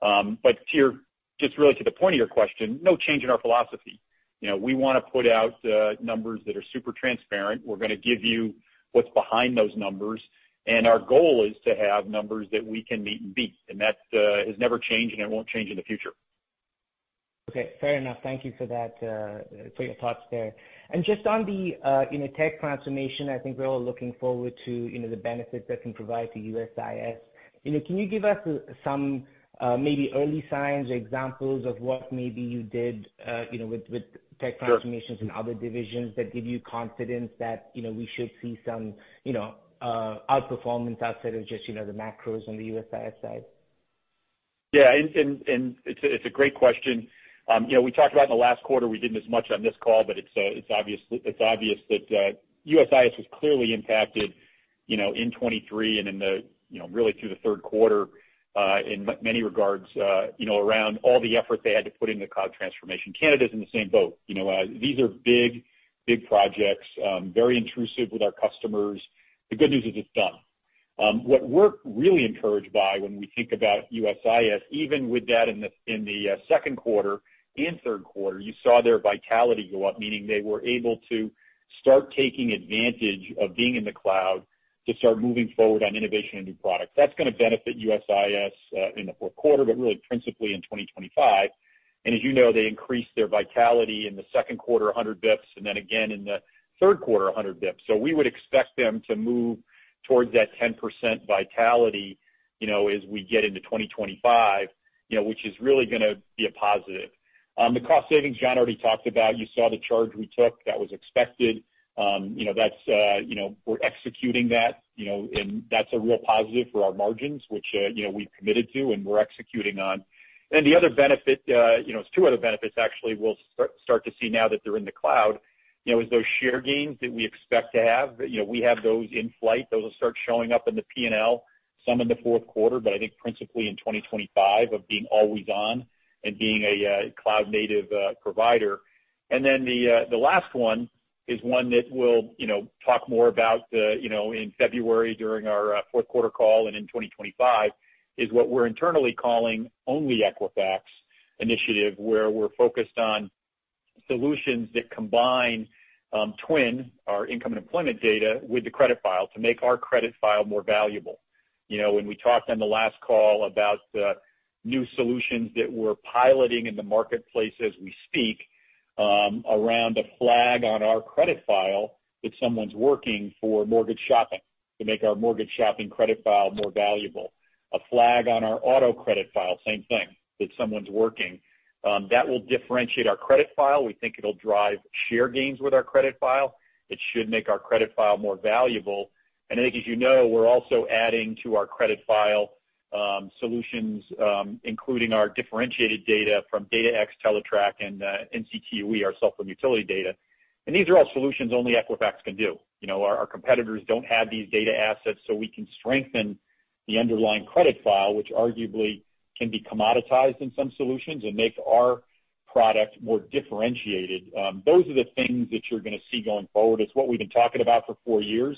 But to your- just really to the point of your question, no change in our philosophy. You know, we wanna put out numbers that are super transparent. We're gonna give you what's behind those numbers, and our goal is to have numbers that we can meet and beat, and that has never changed, and it won't change in the future. Okay, fair enough. Thank you for that, for your thoughts there. And just on the, you know, tech transformation, I think we're all looking forward to, you know, the benefits that can provide to USIS. You know, can you give us some, maybe early signs or examples of what maybe you did, you know, with tech transformations- Sure. -in other divisions that give you confidence that, you know, we should see some, you know, outperformance outside of just, you know, the macros on the USIS side? Yeah, and it's a great question. You know, we talked about in the last quarter, we didn't as much on this call, but it's obvious that USIS is clearly impacted, you know, in 2023 and in the, you know, really through the third quarter, in many regards, you know, around all the effort they had to put in the cloud transformation. Canada's in the same boat. You know, these are big projects, very intrusive with our customers. The good news is it's done. What we're really encouraged by when we think about USIS, even with that in the second quarter and third quarter, you saw their vitality go up, meaning they were able to start taking advantage of being in the cloud to start moving forward on innovation and new products. That's gonna benefit USIS in the fourth quarter, but really principally in 2025, and as you know, they increased their vitality in the second quarter, 100 basis points, and then again in the third quarter, 100 basis points, so we would expect them to move towards that 10% vitality, you know, as we get into 2025, you know, which is really gonna be a positive. The cost savings, John already talked about. You saw the charge we took. That was expected. You know, that's, you know, we're executing that, you know, and that's a real positive for our margins, which, you know, we've committed to and we're executing on. And the other benefit, you know, it's two other benefits, actually, we'll start to see now that they're in the cloud, you know, is those share gains that we expect to have. You know, we have those in flight. Those will start showing up in the P&L, some in the fourth quarter, but I think principally in 2025, of being always on and being a, cloud native, provider. And then the last one is one that we'll you know talk more about you know in February during our fourth quarter call and in 2025, is what we're internally calling Only Equifax initiative, where we're focused on solutions that combine TWN, our income and employment data, with the credit file to make our credit file more valuable. You know, when we talked on the last call about the new solutions that we're piloting in the marketplace as we speak around a flag on our credit file, that someone's working for mortgage shopping, to make our mortgage shopping credit file more valuable. A flag on our auto credit file, same thing, that someone's working. That will differentiate our credit file. We think it'll drive share gains with our credit file. It should make our credit file more valuable. I think, as you know, we're also adding to our credit file, solutions, including our differentiated data from DataX, Teletrack, and NCTUE, our cell phone utility data. These are all solutions only Equifax can do. You know, our competitors don't have these data assets, so we can strengthen the underlying credit file, which arguably can be commoditized in some solutions and make our product more differentiated. Those are the things that you're gonna see going forward. It's what we've been talking about for four years.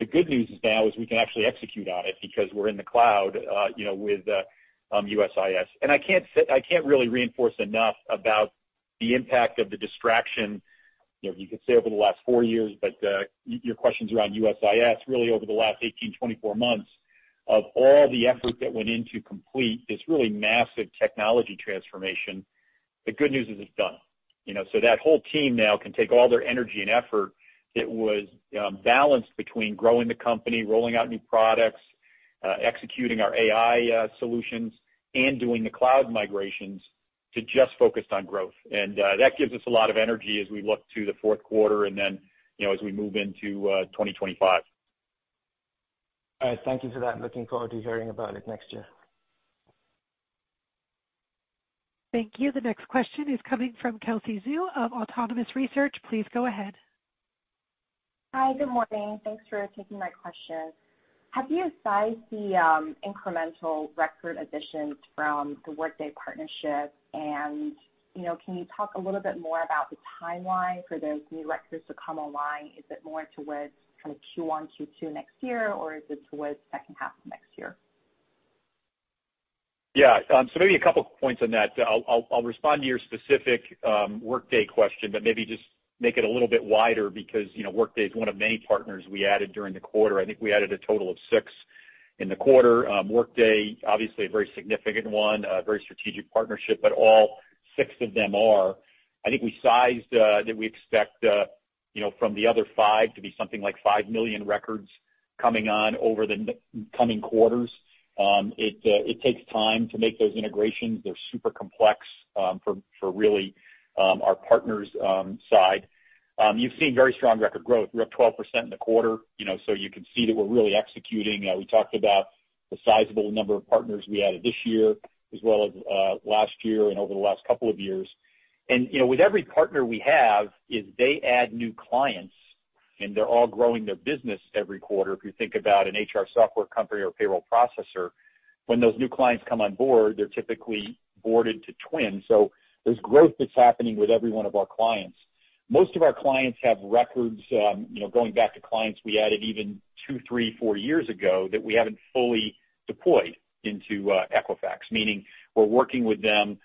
The good news is now we can actually execute on it because we're in the cloud, you know, with USIS. I can't really reinforce enough about the impact of the distraction, you know. You could say over the last four years, but your questions around USIS, really over the last 18, 24 months, of all the effort that went in to complete this really massive technology transformation. The good news is it's done. You know, so that whole team now can take all their energy and effort that was balanced between growing the company, rolling out new products, executing our AI solutions, and doing the cloud migrations, to just focused on growth. That gives us a lot of energy as we look to the fourth quarter and then, you know, as we move into 2025. All right, thank you for that. I'm looking forward to hearing about it next year. Thank you. The next question is coming from Kelsey Zhu of Autonomous Research. Please go ahead. Hi, good morning. Thanks for taking my question. Have you sized the incremental record additions from the Workday partnership? And, you know, can you talk a little bit more about the timeline for those new records to come online? Is it more towards kind of Q1, Q2 next year, or is it towards second half of next year? Yeah, so maybe a couple points on that. I'll respond to your specific Workday question, but maybe just make it a little bit wider because, you know, Workday is one of many partners we added during the quarter. I think we added a total of six in the quarter. Workday, obviously a very significant one, very strategic partnership, but all six of them are. I think we sized that we expect, you know, from the other five to be something like five million records coming on over the coming quarters. It takes time to make those integrations. They're super complex for really our partners' side. You've seen very strong record growth. We're up 12% in the quarter, you know, so you can see that we're really executing. We talked about the sizable number of partners we added this year, as well as last year and over the last couple of years. You know, with every partner we have, if they add new clients, and they're all growing their business every quarter, if you think about an HR software company or payroll processor, when those new clients come on board, they're typically boarded to TWN. So there's growth that's happening with every one of our clients. Most of our clients have records, you know, going back to clients we added even two, three, four years ago, that we haven't fully deployed into Equifax, meaning we're working with them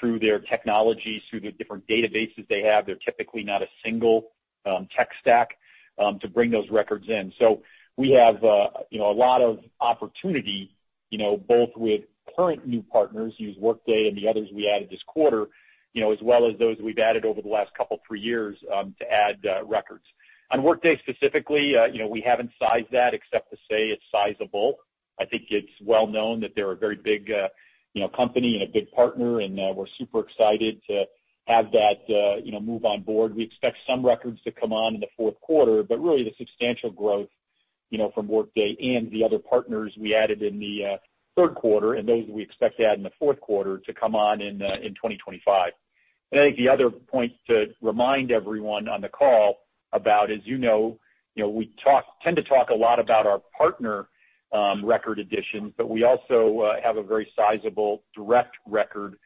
through their technologies, through the different databases they have. They're typically not a single tech stack to bring those records in. So we have, you know, a lot of opportunity, you know, both with current new partners, use Workday and the others we added this quarter, you know, as well as those we've added over the last couple, three years, to add records. On Workday specifically, you know, we haven't sized that except to say it's sizable. I think it's well known that they're a very big, you know, company and a big partner, and, we're super excited to have that, you know, move on board. We expect some records to come on in the fourth quarter, but really, the substantial growth, you know, from Workday and the other partners we added in the third quarter, and those we expect to add in the fourth quarter, to come on in in 2025. And I think the other point to remind everyone on the call about is, you know, we tend to talk a lot about our partner record additions, but we also have a very sizable direct record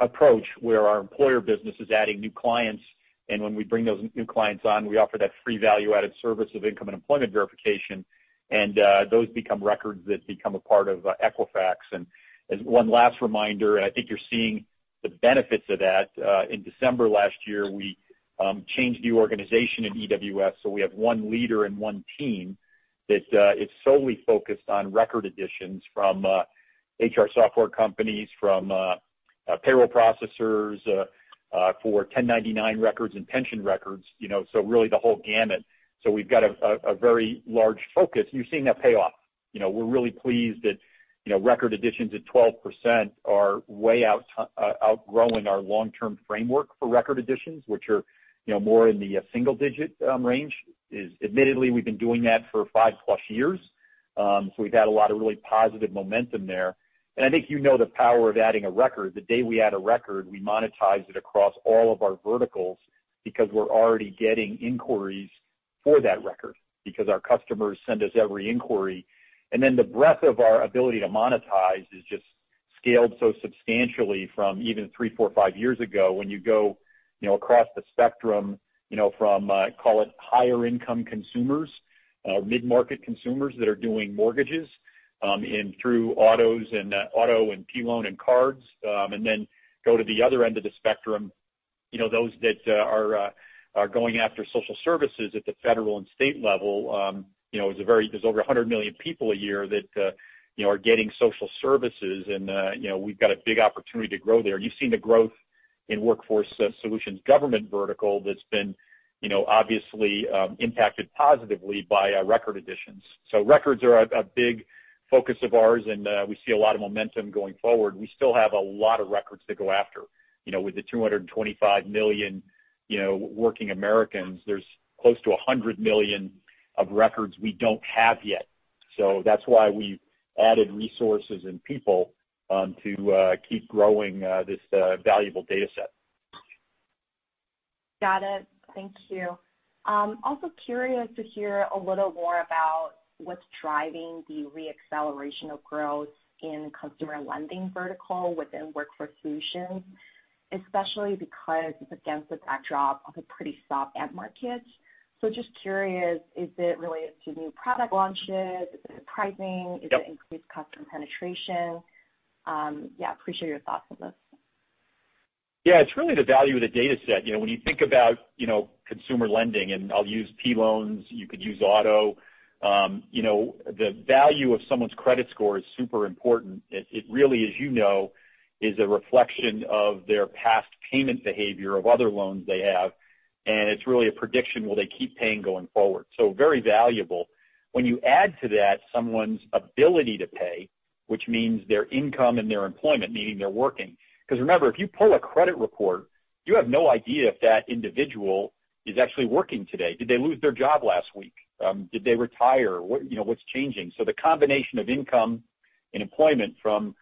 approach, where our employer business is adding new clients, and when we bring those new clients on, we offer that free value-added service of income and employment verification, and those become records that become a part of Equifax. And as one last reminder, and I think you're seeing the benefits of that. In December last year, we changed the organization in EWS, so we have one leader and one team that is solely focused on record additions from HR software companies, from payroll processors for 1099 records and pension records, you know, so really the whole gamut. So we've got a very large focus, and you're seeing that pay off. You know, we're really pleased that, you know, record additions at 12% are way outgrowing our long-term framework for record additions, which are more in the single-digit range. It's admittedly, we've been doing that for 5+ years. So we've had a lot of really positive momentum there. And I think you know the power of adding a record. The day we add a record, we monetize it across all of our verticals because we're already getting inquiries for that record, because our customers send us every inquiry. And then the breadth of our ability to monetize has just scaled so substantially from even three, four, five years ago. When you go, you know, across the spectrum, you know, from, call it higher income consumers, mid-market consumers that are doing mortgages, and through autos and, auto and P loan and cards, and then go to the other end of the spectrum, you know, those that are going after social services at the federal and state level, you know. There's over 100 million people a year that, you know, are getting social services, and, you know, we've got a big opportunity to grow there. You've seen the growth in Workforce Solutions government vertical that's been, you know, obviously, impacted positively by our record additions. So records are a big focus of ours, and, we see a lot of momentum going forward. We still have a lot of records to go after. You know, with the 225 million, you know, working Americans, there's close to 100 million of records we don't have yet. So that's why we've added resources and people to keep growing this valuable data set. Got it. Thank you. Also curious to hear a little more about what's driving the re-acceleration of growth in customer lending vertical within Workforce Solutions, especially because it's against the backdrop of a pretty soft ad market. So just curious, is it related to new product launches? Is it pricing? Yep. Is it increased customer penetration? Yeah, appreciate your thoughts on this. Yeah, it's really the value of the data set. You know, when you think about, you know, consumer lending, and I'll use P loans, you could use auto, you know, the value of someone's credit score is super important. It really, as you know, is a reflection of their past payment behavior of other loans they have, and it's really a prediction, will they keep paying going forward? So very valuable. When you add to that someone's ability to pay, which means their income and their employment, meaning they're working. Because remember, if you pull a credit report, you have no idea if that individual is actually working today. Did they lose their job last week? Did they retire? You know, what's changing? So the combination of income and employment from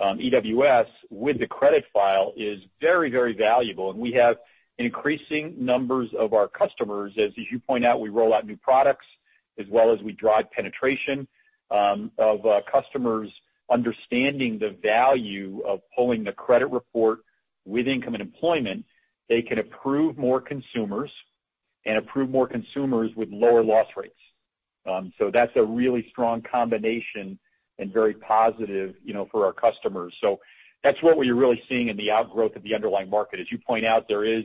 EWS with the credit file is very, very valuable, and we have increasing numbers of our customers. As you point out, we roll out new products as well as we drive penetration of customers understanding the value of pulling the credit report with income and employment. They can approve more consumers and approve more consumers with lower loss rates. So that's a really strong combination and very positive, you know, for our customers. So that's what we're really seeing in the outgrowth of the underlying market. As you point out, there is,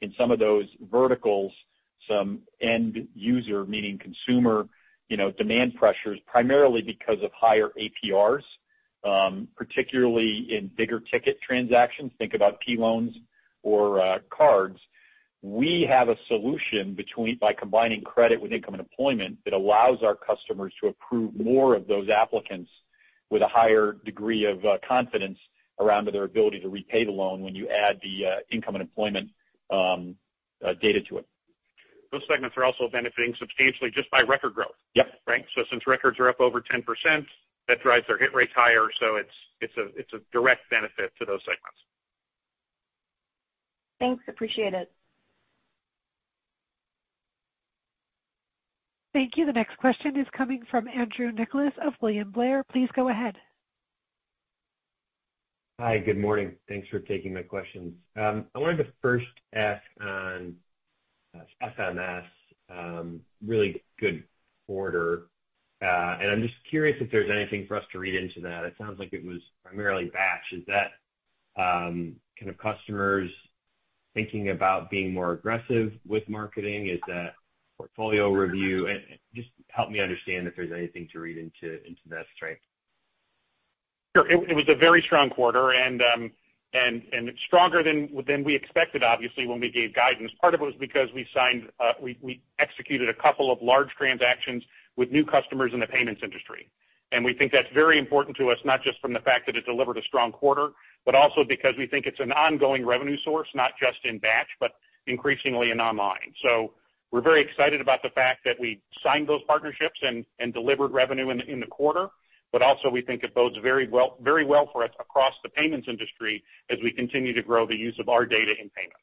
in some of those verticals, some end user, meaning consumer, you know, demand pressures, primarily because of higher APRs, particularly in bigger ticket transactions, think about P loans or cards. We have a solution by combining credit with income and employment, that allows our customers to approve more of those applicants with a higher degree of confidence around their ability to repay the loan when you add the income and employment data to it. Those segments are also benefiting substantially just by record growth. Yep. Right? So since records are up over 10%, that drives their hit rates higher, so it's a direct benefit to those segments. Thanks, appreciate it. Thank you. The next question is coming from Andrew Nicholas of William Blair. Please go ahead. Hi, good morning. Thanks for taking my questions. I wanted to first ask on FMS, really good quarter. And I'm just curious if there's anything for us to read into that. It sounds like it was primarily batch. Is that kind of customers thinking about being more aggressive with marketing? Is that portfolio review? And just help me understand if there's anything to read into that strength. Sure. It was a very strong quarter, and stronger than we expected, obviously, when we gave guidance. Part of it was because we signed, we executed a couple of large transactions with new customers in the payments industry. And we think that's very important to us, not just from the fact that it delivered a strong quarter, but also because we think it's an ongoing revenue source, not just in batch, but increasingly in online. So we're very excited about the fact that we signed those partnerships and delivered revenue in the quarter, but also we think it bodes very well for us across the payments industry as we continue to grow the use of our data in payments.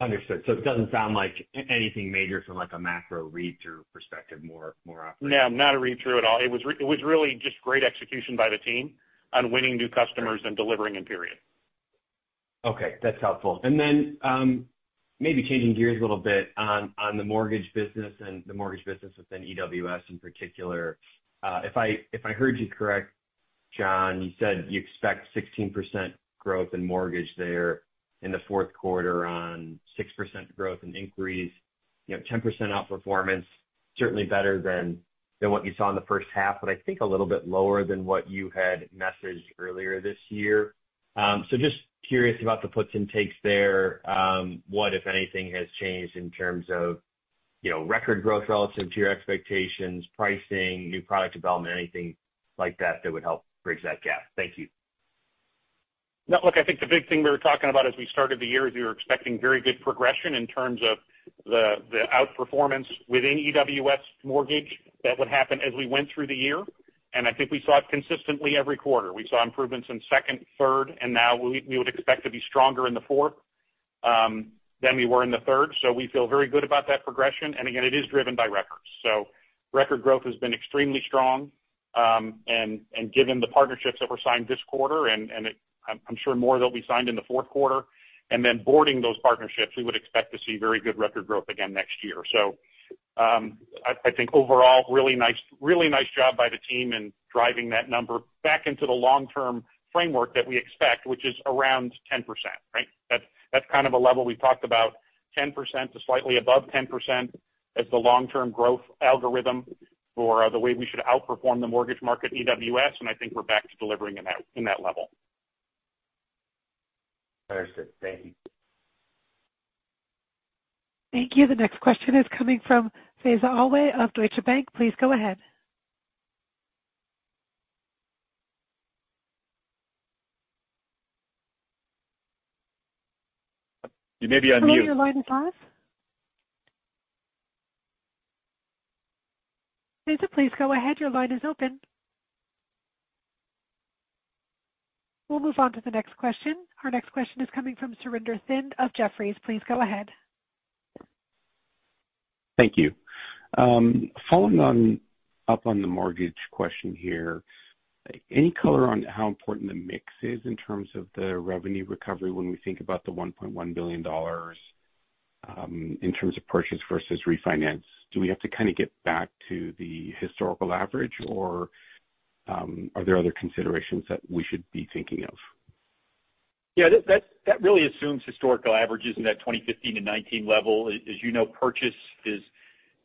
Understood. So it doesn't sound like anything major from, like, a macro read-through perspective, more operational. No, not a read-through at all. It was really just great execution by the team on winning new customers and delivering in period. Okay, that's helpful. And then, maybe changing gears a little bit on the mortgage business and the mortgage business within EWS in particular. If I heard you correct, John, you said you expect 16% growth in mortgage there in the fourth quarter on 6% growth in inquiries. You know, 10% outperformance, certainly better than what you saw in the first half, but I think a little bit lower than what you had messaged earlier this year. So just curious about the puts and takes there. What, if anything, has changed in terms of, you know, record growth relative to your expectations, pricing, new product development, anything like that, that would help bridge that gap? Thank you. Now, look, I think the big thing we were talking about as we started the year is we were expecting very good progression in terms of the outperformance within EWS mortgage that would happen as we went through the year, and I think we saw it consistently every quarter. We saw improvements in second, third, and now we would expect to be stronger in the fourth than we were in the third. So we feel very good about that progression, and again, it is driven by records. So record growth has been extremely strong, and given the partnerships that were signed this quarter, and I'm sure more will be signed in the fourth quarter, and then onboarding those partnerships, we would expect to see very good record growth again next year. So, I think overall, really nice, really nice job by the team in driving that number back into the long-term framework that we expect, which is around 10%, right? That's kind of a level we've talked about, 10% to slightly above 10% as the long-term growth algorithm for the way we should outperform the mortgage market at EWS, and I think we're back to delivering in that level. Understood. Thank you. Thank you. The next question is coming from Faiza Alwy of Deutsche Bank. Please go ahead. You may be on mute. Hello, your line is open. Faiza, please go ahead. Your line is open. We'll move on to the next question. Our next question is coming from Surinder Thind of Jefferies. Please go ahead. Thank you. Following up on the mortgage question here, any color on how important the mix is in terms of the revenue recovery when we think about the $1.1 billion, in terms of purchase versus refinance? Do we have to kind of get back to the historical average, or, are there other considerations that we should be thinking of? Yeah, that really assumes historical averages in that 2015 to 2019 level. As you know, purchase is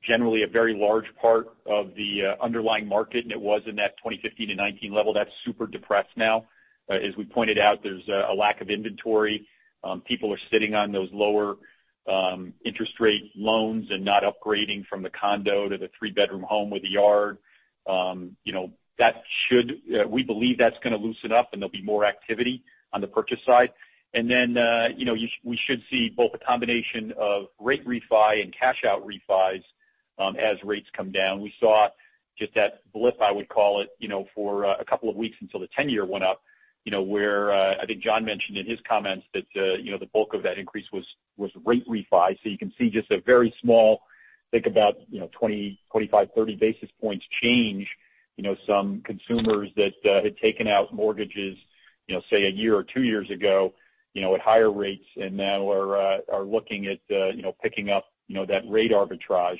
generally a very large part of the underlying market, and it was in that 2015 to 2019 level. That's super depressed now. As we pointed out, there's a lack of inventory. People are sitting on those lower interest rate loans and not upgrading from the condo to the three-bedroom home with a yard. You know, we believe that's gonna loosen up, and there'll be more activity on the purchase side. And then, you know, we should see both a combination of rate refi and cash out refis as rates come down. We saw just that blip, I would call it, you know, for a couple of weeks until the ten-year went up, you know, where I think John mentioned in his comments that, you know, the bulk of that increase was rate refi. So you can see just a very small, think about, you know, 20, 25, 30 basis points change. You know, some consumers that had taken out mortgages, you know, say, a year or two years ago, you know, at higher rates and now are looking at, you know, picking up, you know, that rate arbitrage.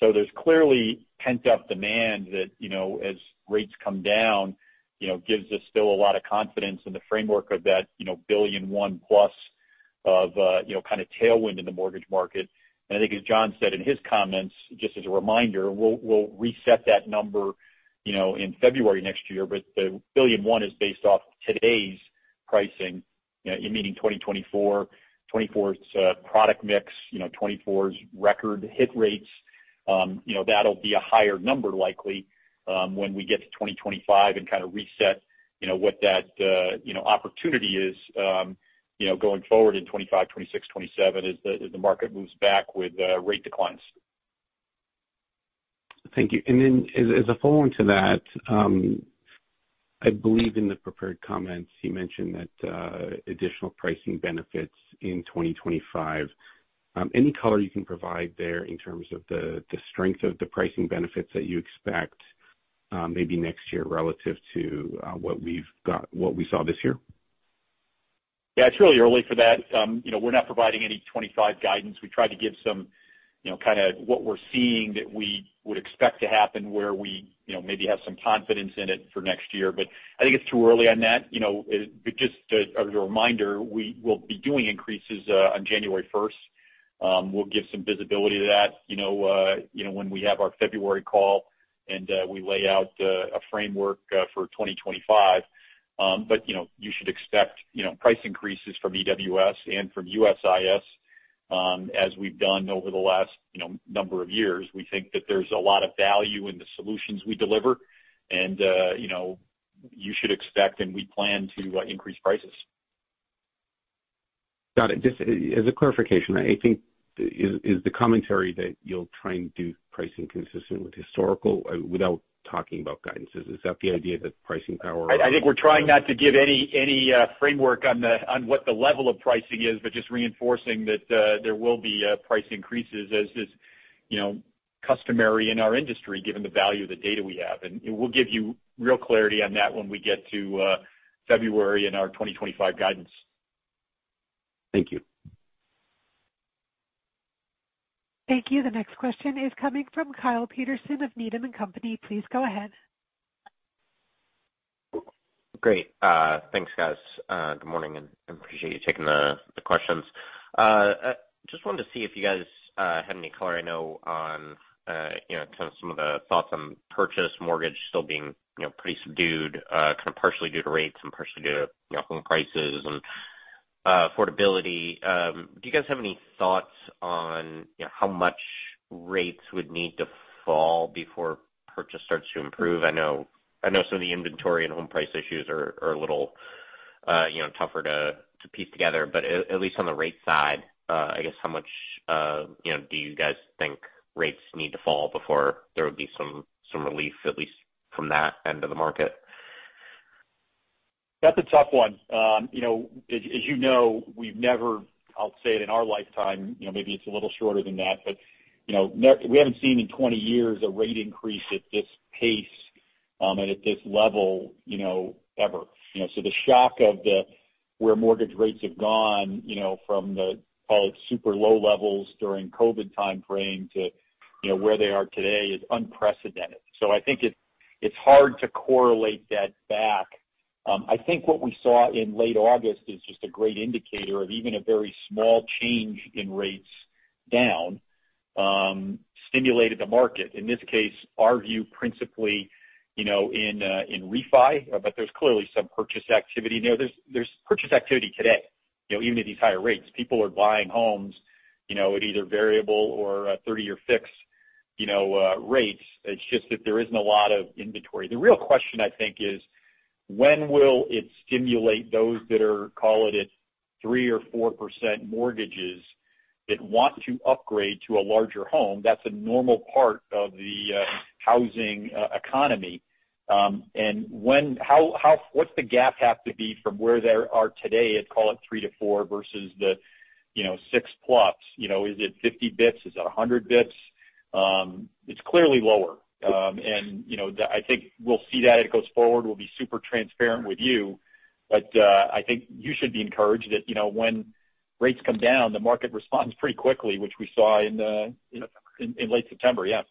So there's clearly pent-up demand that, you know, as rates come down, you know, gives us still a lot of confidence in the framework of that, you know, $1 billion plus of, you know, kind of tailwind in the mortgage market. I think as John said in his comments, just as a reminder, we'll reset that number, you know, in February next year. But the $1 billion one is based off today's pricing, meaning 2024. 2024's product mix, you know, 2024's record hit rates, you know, that'll be a higher number likely, when we get to 2025 and kind of reset, you know, what that opportunity is, you know, going forward in 2025, 2026, 2027, as the market moves back with rate declines. Thank you. And then as a follow-on to that, I believe in the prepared comments, you mentioned that additional pricing benefits in 2025. Any color you can provide there in terms of the strength of the pricing benefits that you expect, maybe next year relative to what we saw this year? Yeah, it's really early for that. You know, we're not providing any 2025 guidance. We tried to give some, you know, kind of what we're seeing that we would expect to happen, where we, you know, maybe have some confidence in it for next year. But I think it's too early on that. You know, but just as, as a reminder, we will be doing increases, on January first. We'll give some visibility to that, you know, you know, when we have our February call, and, we lay out, a framework for 2025. But you know, you should expect, you know, price increases from EWS and from USIS, as we've done over the last, you know, number of years. We think that there's a lot of value in the solutions we deliver, and, you know, you should expect, and we plan to, increase prices. Got it. Just as a clarification, I think, is the commentary that you'll try and do pricing consistent with historical, without talking about guidances, is that the idea, that pricing power? I think we're trying not to give any framework on what the level of pricing is, but just reinforcing that there will be price increases as is, you know, customary in our industry, given the value of the data we have. And we'll give you real clarity on that when we get to February and our twenty twenty-five guidance. Thank you. Thank you. The next question is coming from Kyle Peterson of Needham & Company. Please go ahead. Great. Thanks, guys. Good morning, and I appreciate you taking the questions. Just wanted to see if you guys had any color I know on you know kind of some of the thoughts on purchase mortgage still being you know pretty subdued kind of partially due to rates and partially due to you know home prices and affordability. Do you guys have any thoughts on you know how much rates would need to fall before purchase starts to improve? I know some of the inventory and home price issues are a little you know tougher to piece together. But at least on the rate side, I guess, you know, do you guys think rates need to fall before there would be some relief, at least from that end of the market? That's a tough one. You know, as, as you know, we've never, I'll say it, in our lifetime, you know, maybe it's a little shorter than that, but, you know, we haven't seen in twenty years a rate increase at this pace, and at this level, you know, ever. You know, so the shock of the, where mortgage rates have gone, you know, from the, call it, super low levels during COVID timeframe to, you know, where they are today, is unprecedented. So I think it's, it's hard to correlate that back. I think what we saw in late August is just a great indicator of even a very small change in rates down, stimulated the market. In this case, our view principally, you know, in, in refi, but there's clearly some purchase activity. You know, there's, there's purchase activity today. You know, even at these higher rates, people are buying homes, you know, at either variable or 30-year fixed rates. It's just that there isn't a lot of inventory. The real question, I think, is when will it stimulate those that are, call it, at 3% or 4% mortgages that want to upgrade to a larger home? That's a normal part of the housing economy. And what's the gap have to be from where they are today at, call it, 3%-4% versus the, you know, 6% plus? You know, is it 50 basis points? Is it 100 basis points? It's clearly lower. And, you know, I think we'll see that as it goes forward. We'll be super transparent with you, but, I think you should be encouraged that, you know, when rates come down, the market responds pretty quickly, which we saw in the- September. In late September, yeah.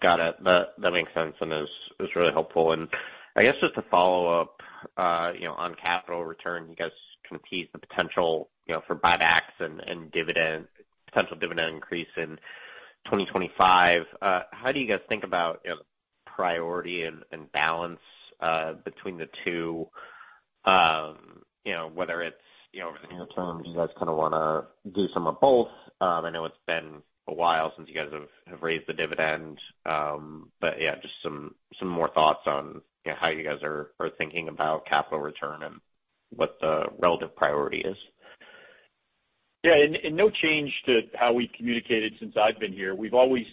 Got it. That makes sense, and is really helpful. I guess just to follow up, you know, on capital return, you guys kind of teased the potential, you know, for buybacks and potential dividend increase in 2025. How do you guys think about, you know, the priority and balance between the two? You know, whether it's, you know, over the near term, you guys kind of wanna do some of both. I know it's been a while since you guys have raised the dividend. But yeah, just some more thoughts on, you know, how you guys are thinking about capital return and what the relative priority is. Yeah, and no change to how we communicated since I've been here. We've always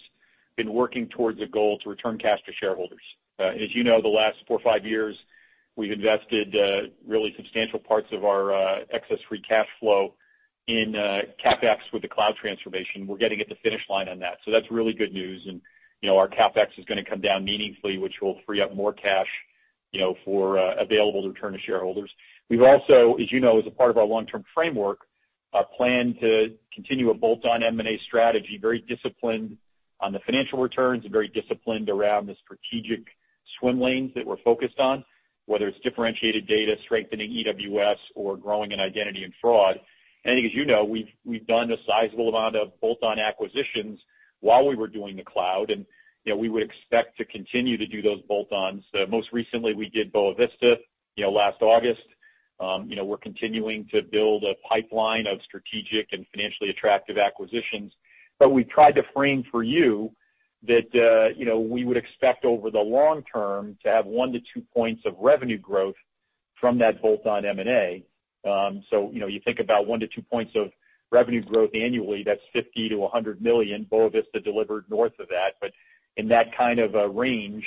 been working towards a goal to return cash to shareholders. And as you know, the last four or five years, we've invested really substantial parts of our excess free cash flow in CapEx with the cloud transformation. We're getting at the finish line on that, so that's really good news. And, you know, our CapEx is gonna come down meaningfully, which will free up more cash, you know, for available to return to shareholders. We've also, as you know, as a part of our long-term framework plan to continue a bolt-on M&A strategy, very disciplined on the financial returns, and very disciplined around the strategic swim lanes that we're focused on, whether it's differentiated data, strengthening EWS, or growing in Identity and Fraud. I think, as you know, we've done a sizable amount of bolt-on acquisitions while we were doing the cloud, and, you know, we would expect to continue to do those bolt-ons. Most recently, we did Boa Vista, you know, last August. You know, we're continuing to build a pipeline of strategic and financially attractive acquisitions, but we tried to frame for you that, you know, we would expect over the long term to have one-two points of revenue growth from that bolt-on M&A. So, you know, you think about one-two points of revenue growth annually, that's $50million-$100 million. Boa Vista delivered north of that, but in that kind of a range.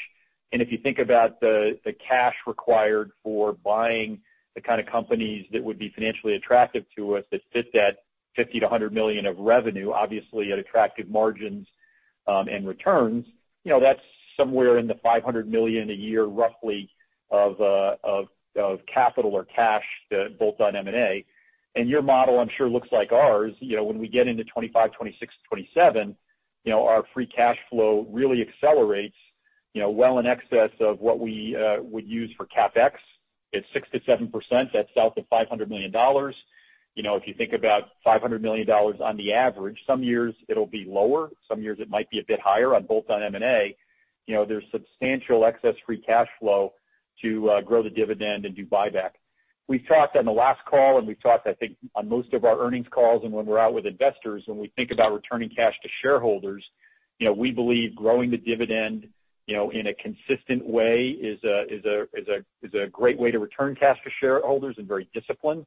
And if you think about the cash required for buying the kind of companies that would be financially attractive to us, that fit that $50 million-$100 million of revenue, obviously at attractive margins, and returns, you know, that's somewhere in the $500 million a year, roughly, of capital or cash to bolt-on M&A. And your model, I'm sure, looks like ours. You know, when we get into 2025, 2026, and 2027, you know, our free cash flow really accelerates, you know, well in excess of what we would use for CapEx. It's 6%-7%. That's south of $500 million. You know, if you think about $500 million on the average, some years it'll be lower, some years it might be a bit higher on bolt-on M&A. You know, there's substantial excess free cash flow to grow the dividend and do buyback. We've talked on the last call, and we've talked, I think, on most of our earnings calls and when we're out with investors, when we think about returning cash to shareholders, you know, we believe growing the dividend, you know, in a consistent way is a great way to return cash to shareholders and very disciplined.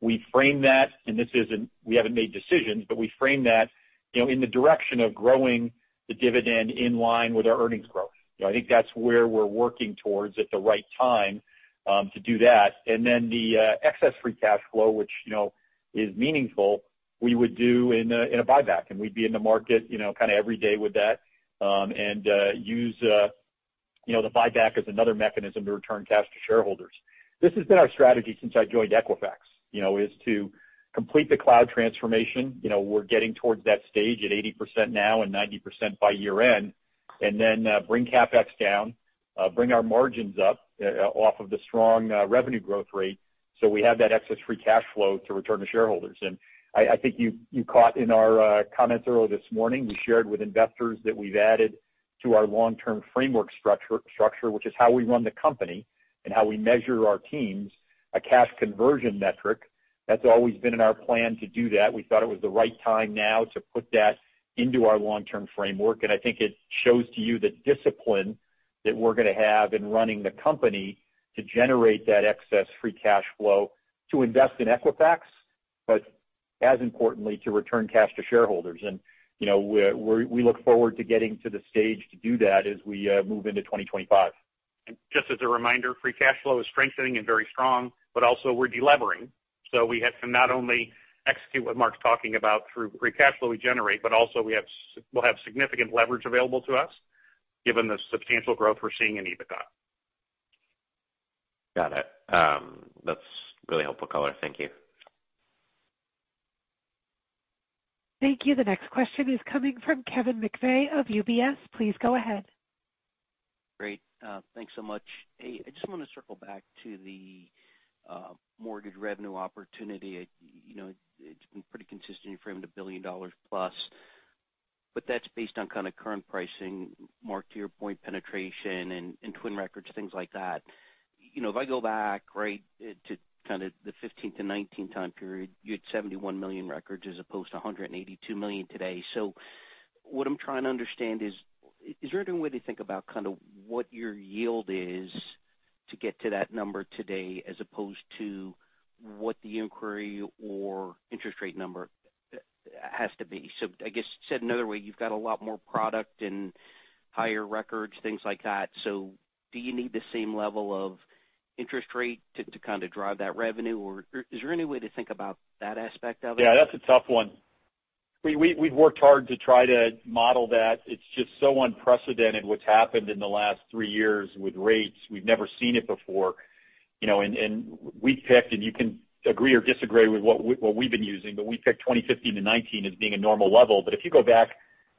We frame that, and this isn't. We haven't made decisions, but we frame that, you know, in the direction of growing the dividend in line with our earnings growth. You know, I think that's where we're working towards at the right time to do that. And then the excess free cash flow, which, you know, is meaningful, we would do in a buyback, and we'd be in the market, you know, kind of every day with that, and use you know the buyback as another mechanism to return cash to shareholders. This has been our strategy since I joined Equifax, you know, is to complete the cloud transformation. You know, we're getting towards that stage at 80% now and 90% by year-end, and then bring CapEx down, bring our margins up, off of the strong revenue growth rate, so we have that excess free cash flow to return to shareholders. I think you caught in our comments earlier this morning, we shared with investors that we've added to our long-term framework structure, which is how we run the company and how we measure our teams, a cash conversion metric. That's always been in our plan to do that. We thought it was the right time now to put that into our long-term framework, and I think it shows to you the discipline that we're gonna have in running the company to generate that excess free cash flow to invest in Equifax, but as importantly, to return cash to shareholders. You know, we look forward to getting to the stage to do that as we move into 2025. Just as a reminder, free cash flow is strengthening and very strong, but also we're delevering. We have to not only execute what Mark's talking about through free cash flow we generate, but also we'll have significant leverage available to us given the substantial growth we're seeing in EBITDA. Got it. That's really helpful color. Thank you. Thank you. The next question is coming from Kevin McVeigh of UBS. Please go ahead. Great. Thanks so much. Hey, I just wanna circle back to the mortgage revenue opportunity. You know, it's been pretty consistent. You framed $1 billion+, but that's based on kind of current pricing, Mark, to your point, penetration and TWN records, things like that. You know, if I go back, right, to kind of the 2015 to 2019 time period, you had 71 million records as opposed to 182 million today. So what I'm trying to understand is, is there any way to think about kind of what your yield is to get to that number today, as opposed to what the inquiry or interest rate number has to be? So I guess, said another way, you've got a lot more product and higher records, things like that. So do you need the same level of interest rate to kind of drive that revenue? Or is there any way to think about that aspect of it? Yeah, that's a tough one. We've worked hard to try to model that. It's just so unprecedented, what's happened in the last three years with rates. We've never seen it before, you know, and we picked, and you can agree or disagree with what we've been using, but we picked 2015-2019 as being a normal level. But if you go back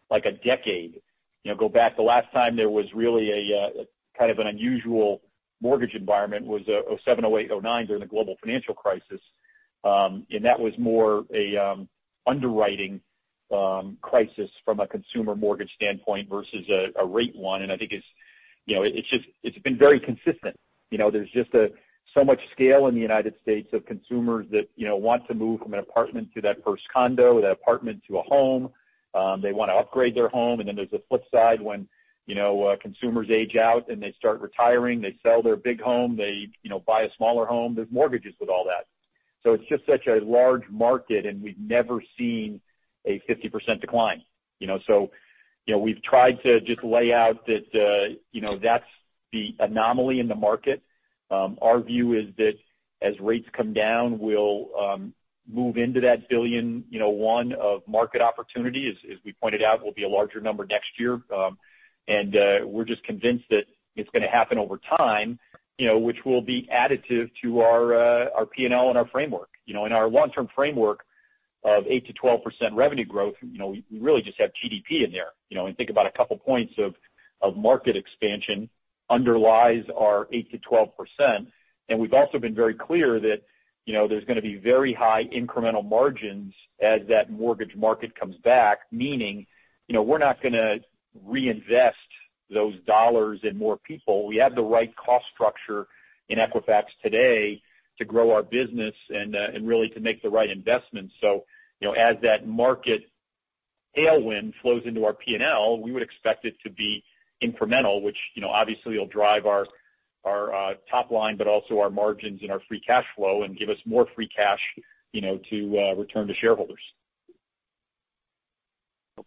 like a decade, you know, go back the last time there was really a kind of an unusual mortgage environment was 2007, 2008, 2009, during the global financial crisis. And that was more a underwriting crisis from a consumer mortgage standpoint versus a rate one. And I think it's, you know, it's just. It's been very consistent. You know, there's just so much scale in the United States of consumers that, you know, want to move from an apartment to that first condo, or that apartment to a home. They wanna upgrade their home. And then there's a flip side, when, you know, consumers age out and they start retiring, they sell their big home, they, you know, buy a smaller home. There's mortgages with all that. So it's just such a large market, and we've never seen a 50% decline, you know? So, you know, we've tried to just lay out that, you know, that's the anomaly in the market. Our view is that as rates come down, we'll move into that $1 billion market opportunity. As we pointed out, it will be a larger number next year. We're just convinced that it's gonna happen over time, you know, which will be additive to our P&L and our framework. You know, in our long-term framework of 8%-12% revenue growth, you know, we really just have GDP in there, you know, and think about a couple points of market expansion underlies our 8%-12%. We've also been very clear that, you know, there's gonna be very high incremental margins as that mortgage market comes back, meaning, you know, we're not gonna reinvest those dollars in more people. We have the right cost structure in Equifax today to grow our business and really to make the right investments. So, you know, as that market tailwind flows into our P&L, we would expect it to be incremental, which, you know, obviously, will drive our top line, but also our margins and our free cash flow, and give us more free cash, you know, to return to shareholders. Helpful.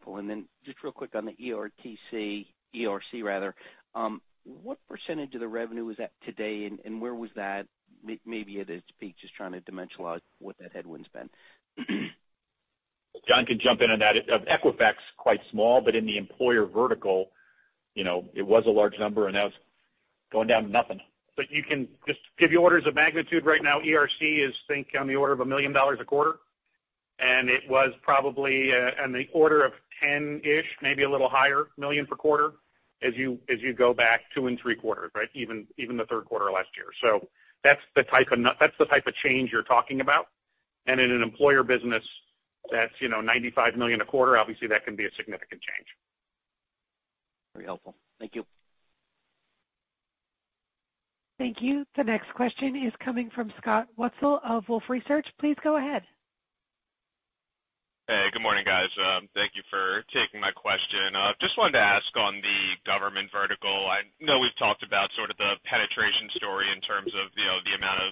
And then just real quick on the ERTC, ERC, rather, what percentage of the revenue is that today, and where was that? Maybe at its peak, just trying to dimensionalize what that headwind's been. John can jump in on that. Equifax, quite small, but in the employer vertical, you know, it was a large number, and now it's going down to nothing. But you can just give you orders of magnitude right now. ERC is on the order of $1 million a quarter, and it was probably on the order of 10-ish, maybe a little higher, $10 million per quarter, as you go back two and three quarters, right? Even the third quarter of last year. So that's the type of change you're talking about. And in an employer business that's, you know, $95 million a quarter, obviously, that can be a significant change. Very helpful. Thank you. Thank you. The next question is coming from Scott Wurtzel of Wolfe Research. Please go ahead. Hey, good morning, guys. Thank you for taking my question. Just wanted to ask on the government vertical. I know we've talked about sort of the penetration story in terms of, you know, the amount of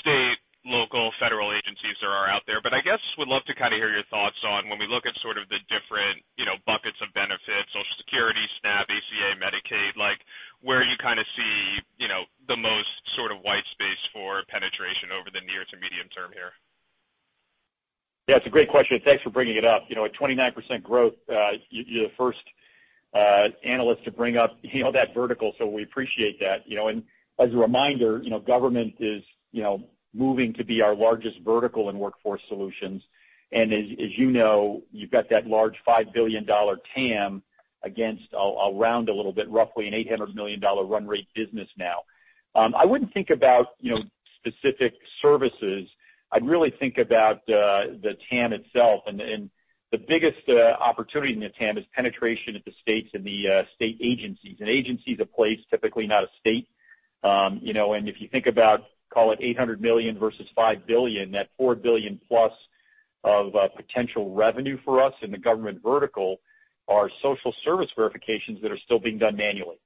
state, local, federal agencies there are out there. But I guess would love to kind of hear your thoughts on when we look at sort of the different, you know, buckets of benefits, Social Security, SNAP, ACA, Medicaid, like, where you kind of see, you know, the most sort of white space for penetration over the near to medium term here. Yeah, it's a great question, and thanks for bringing it up. You know, at 29% growth, you're the first analyst to bring up, you know, that vertical, so we appreciate that. You know, and as a reminder, you know, government is, you know, moving to be our largest vertical in Workforce Solutions. And as you know, you've got that large $5 billion TAM against, I'll round a little bit, roughly an $800 million run rate business now. I wouldn't think about, you know, specific services. I'd really think about, uh, the TAM itself. And the biggest, uh, opportunity in the TAM is penetration at the states and the state agencies. An agency is a place, typically not a state. You know, and if you think about, call it $800 million versus $5 billion, that $4 billion+ of potential revenue for us in the government vertical are social service verifications that are still being done manually.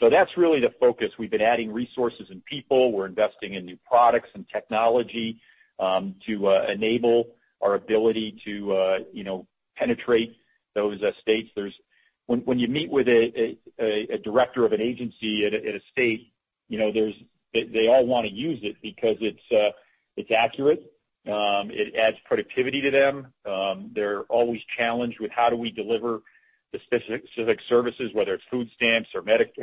So that's really the focus. We've been adding resources and people. We're investing in new products and technology to enable our ability to you know, penetrate those states. When you meet with a director of an agency at a state, you know, they all wanna use it because it's accurate. It adds productivity to them. They're always challenged with: How do we deliver the specific services? Whether it's food stamps or medic-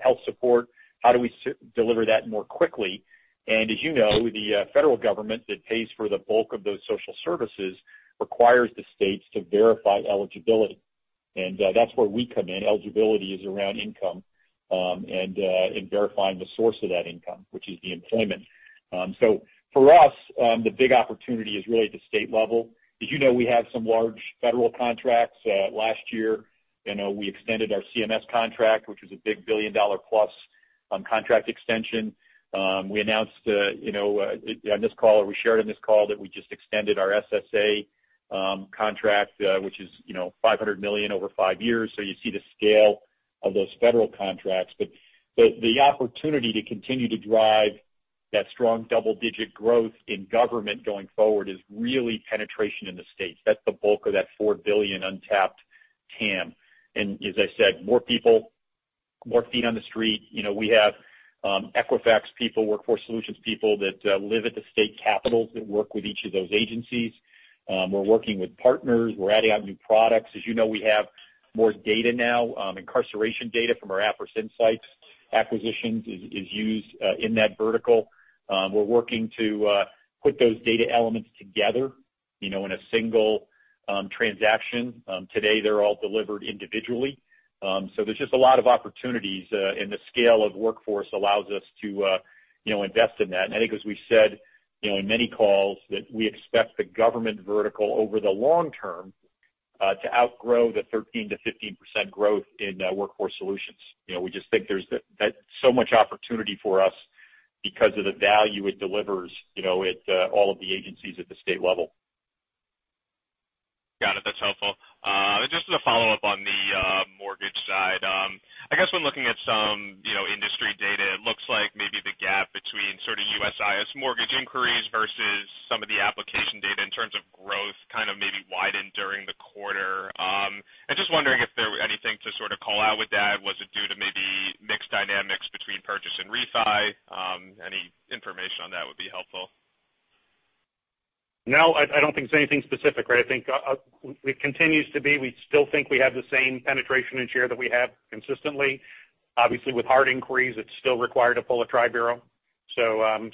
health support, how do we deliver that more quickly? As you know, the federal government that pays for the bulk of those social services requires the states to verify eligibility, and that's where we come in. Eligibility is around income, and verifying the source of that income, which is the employment. So for us, the big opportunity is really at the state level. As you know, we have some large federal contracts. Last year, you know, we extended our CMS contract, which was a big $1 billion+ contract extension. We announced, you know, on this call, or we shared on this call that we just extended our SSA contract, which is, you know, $500 million over five years. So you see the scale of those federal contracts. But the opportunity to continue to drive that strong double-digit growth in government going forward is really penetration in the states. That's the bulk of that $4 billion untapped TAM. And as I said, more people, more feet on the street. You know, we have Equifax people, Workforce Solutions people, that live at the state capitals that work with each of those agencies. We're working with partners, we're adding on new products. As you know, we have more data now, incarceration data from our Appriss Insights acquisitions is used in that vertical. We're working to put those data elements together, you know, in a single transaction. Today, they're all delivered individually. So there's just a lot of opportunities, and the scale of Workforce allows us to, you know, invest in that. I think, as we said, you know, in many calls, that we expect the government vertical over the long term to outgrow the 13%-15% growth in Workforce Solutions. You know, we just think there's so much opportunity for us because of the value it delivers, you know, at all of the agencies at the state level. Got it. That's helpful. Just as a follow-up on the mortgage side, I guess when looking at some, you know, industry data, it looks like maybe the gap between sort of USIS mortgage inquiries versus some of the application data in terms of growth, kind of maybe widened during the quarter. I'm just wondering if there was anything to sort of call out with that? Was it due to maybe mixed dynamics between purchase and refi? Any information on that would be helpful. No, I don't think it's anything specific, right? I think it continues to be. We still think we have the same penetration and share that we have consistently. Obviously, with hard inquiries, it's still required to pull a tri-bureau. So, I'm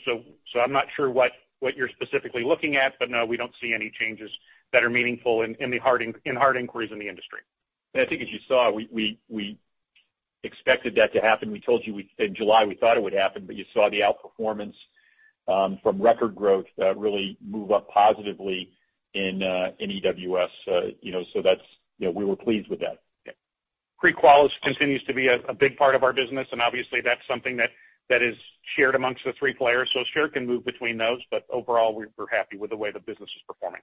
not sure what you're specifically looking at, but no, we don't see any changes that are meaningful in the hard inquiries in the industry. And I think as you saw, we expected that to happen. We told you in July, we thought it would happen, but you saw the outperformance from record growth really move up positively in EWS. You know, so that's, you know, we were pleased with that. Yeah. Pre-qual continues to be a big part of our business, and obviously, that's something that is shared amongst the three players. So share can move between those, but overall, we're happy with the way the business is performing.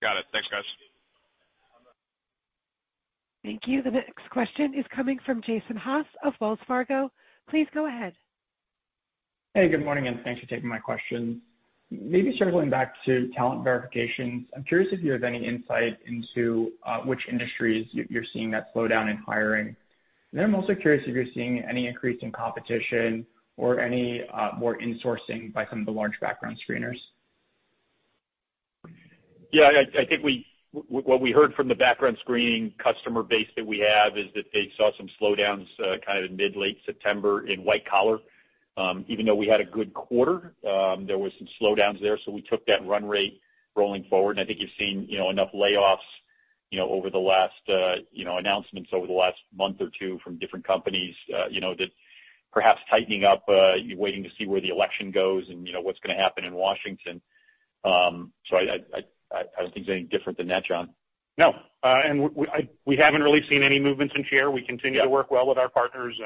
Got it. Thanks, guys. Thank you. The next question is coming from Jason Haas of Wells Fargo. Please go ahead. Hey, good morning, and thanks for taking my question. Maybe circling back to talent verifications, I'm curious if you have any insight into which industries you're seeing that slowdown in hiring. Then I'm also curious if you're seeing any increase in competition or any more insourcing by some of the large background screeners. Yeah, I think what we heard from the background screening customer base that we have is that they saw some slowdowns kind of in mid, late September in white collar. Even though we had a good quarter, there was some slowdowns there, so we took that run rate rolling forward. And I think you've seen, you know, enough layoffs, you know, over the last announcements over the last month or two from different companies, you know, that perhaps tightening up, waiting to see where the election goes and, you know, what's gonna happen in Washington. So I don't think there's anything different than that, John. No, and we haven't really seen any movements in share. Yeah. We continue to work well with our partners,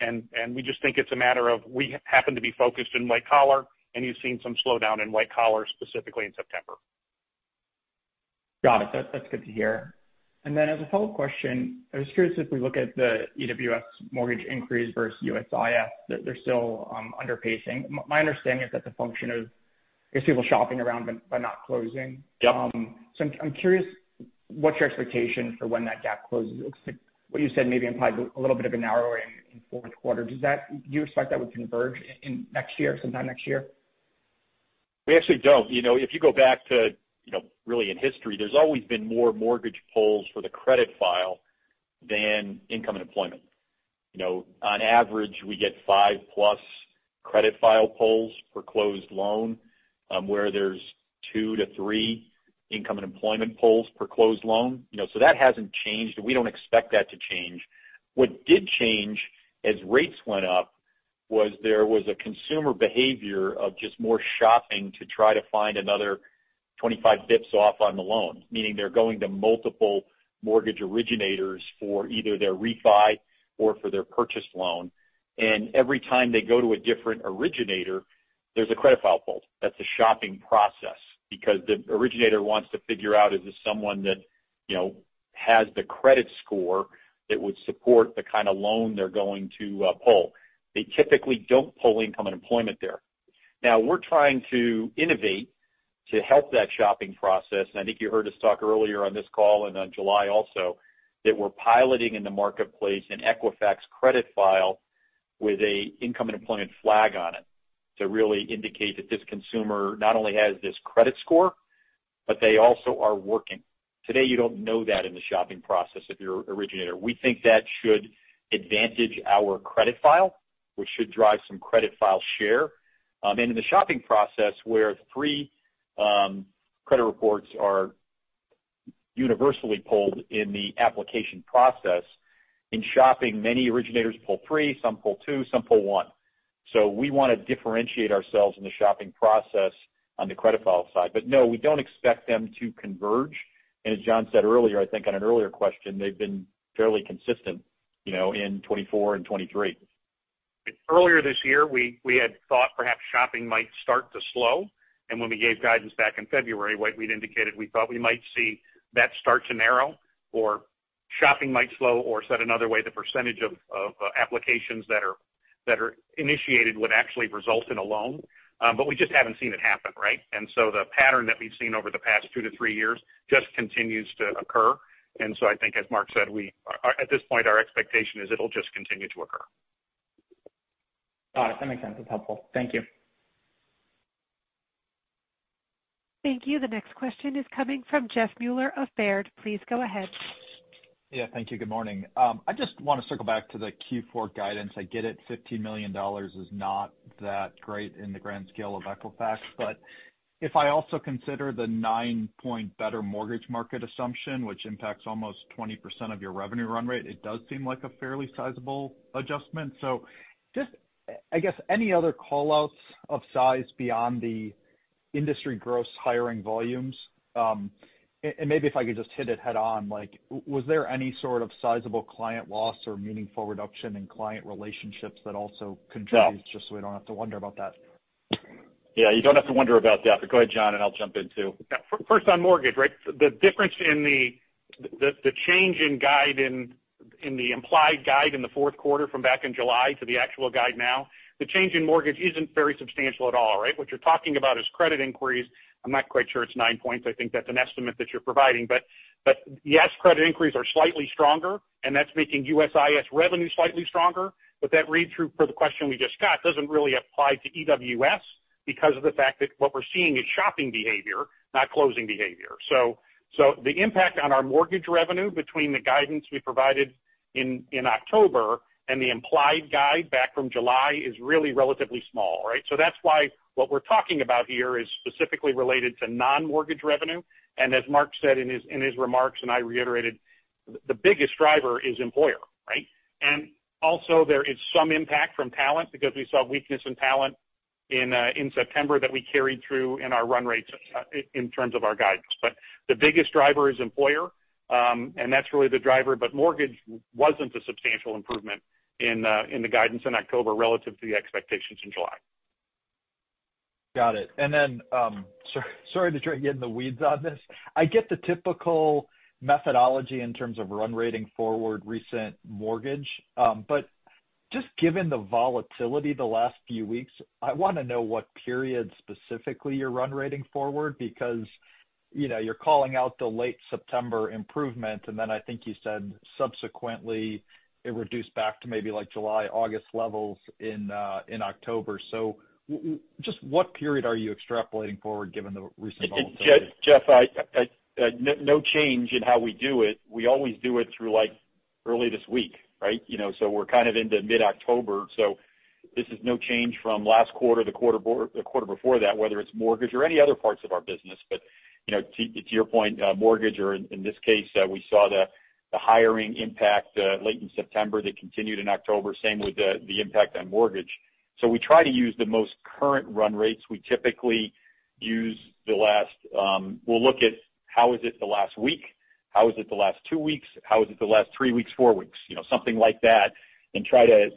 and we just think it's a matter of we happen to be focused in white collar, and you've seen some slowdown in white collar, specifically in September. Got it. That's, that's good to hear. And then as a follow-up question, I was curious if we look at the EWS mortgage inquiries versus USIS, they're still under pacing. My understanding is that the function of, is people shopping around but not closing. Yep. So I'm curious, what's your expectation for when that gap closes? It looks like what you said, maybe implied a little bit of a narrowing in fourth quarter. Do you expect that would converge in next year, sometime next year? We actually don't. You know, if you go back to, you know, really in history, there's always been more mortgage pulls for the credit file than income and employment. You know, on average, we get five-plus credit file pulls per closed loan, where there's two to three income and employment pulls per closed loan. You know, so that hasn't changed, and we don't expect that to change. What did change, as rates went up, was there was a consumer behavior of just more shopping to try to find another 25 basis points off on the loan, meaning they're going to multiple mortgage originators for either their refi or for their purchase loan, and every time they go to a different originator, there's a credit file pull. That's a shopping process, because the originator wants to figure out, is this someone that, you know, has the credit score that would support the kind of loan they're going to, pull? They typically don't pull income and employment there. Now, we're trying to innovate to help that shopping process, and I think you heard us talk earlier on this call and on July also, that we're piloting in the marketplace an Equifax credit file with a income and employment flag on it, to really indicate that this consumer not only has this credit score, but they also are working. Today, you don't know that in the shopping process if you're an originator. We think that should advantage our credit file, which should drive some credit file share. In the shopping process, where three credit reports are universally pulled in the application process, in shopping, many originators pull three, some pull two, some pull one. So we want to differentiate ourselves in the shopping process on the credit file side. But no, we don't expect them to converge. And as John said earlier, I think on an earlier question, they've been fairly consistent, you know, in 2024 and 2023. Earlier this year, we had thought perhaps shopping might start to slow, and when we gave guidance back in February, what we'd indicated, we thought we might see that start to narrow or shopping might slow, or said another way, the percentage of applications that are initiated would actually result in a loan. But we just haven't seen it happen, right? And so the pattern that we've seen over the past two to three years just continues to occur. And so I think as Mark said, we at this point, our expectation is it'll just continue to occur. Got it. That makes sense. That's helpful. Thank you. Thank you. The next question is coming from Jeff Meuler of Baird. Please go ahead. Yeah, thank you. Good morning. I just want to circle back to the Q4 guidance. I get it, $15 million is not that great in the grand scale of Equifax, but if I also consider the nine-point better mortgage market assumption, which impacts almost 20% of your revenue run rate, it does seem like a fairly sizable adjustment. So just, I guess, any other callouts of size beyond the industry gross hiring volumes? And maybe if I could just hit it head on, like, was there any sort of sizable client loss or meaningful reduction in client relationships that also contributes- No. Just so we don't have to wonder about that? Yeah, you don't have to wonder about that, but go ahead, John, and I'll jump in, too. Yeah. First on mortgage, right? The difference in the change in guide in the implied guide in the fourth quarter from back in July to the actual guide now, the change in mortgage isn't very substantial at all, right? What you're talking about is credit inquiries. I'm not quite sure it's nine points. I think that's an estimate that you're providing, but yes, credit inquiries are slightly stronger, and that's making USIS revenue slightly stronger. But that read-through for the question we just got doesn't really apply to EWS because of the fact that what we're seeing is shopping behavior, not closing behavior. So the impact on our mortgage revenue between the guidance we provided in October and the implied guide back from July is really relatively small, right? So that's why what we're talking about here is specifically related to non-mortgage revenue. As Mark said in his remarks, and I reiterated, the biggest driver is employer, right? Also, there is some impact from talent because we saw weakness in talent in September that we carried through in our run rates in terms of our guidance. But the biggest driver is employer, and that's really the driver. But mortgage wasn't a substantial improvement in the guidance in October relative to the expectations in July. Got it. Then, sorry to try to get in the weeds on this. I get the typical methodology in terms of run rating forward recent mortgage, but just given the volatility the last few weeks, I want to know what period specifically you're run rating forward, because, you know, you're calling out the late September improvement, and then I think you said subsequently it reduced back to maybe like July, August levels in October. Just what period are you extrapolating forward given the recent volatility? Jeff, no change in how we do it. We always do it through, like, early this week, right? You know, so we're kind of into mid-October, so this is no change from last quarter, the quarter before that, whether it's mortgage or any other parts of our business, but you know, to your point, mortgage, or in this case, we saw the hiring impact late in September that continued in October, same with the impact on mortgage, so we try to use the most current run rates. We typically use the last. We'll look at how is it the last week, how is it the last two weeks, how is it the last three weeks, four weeks, you know, something like that, and try to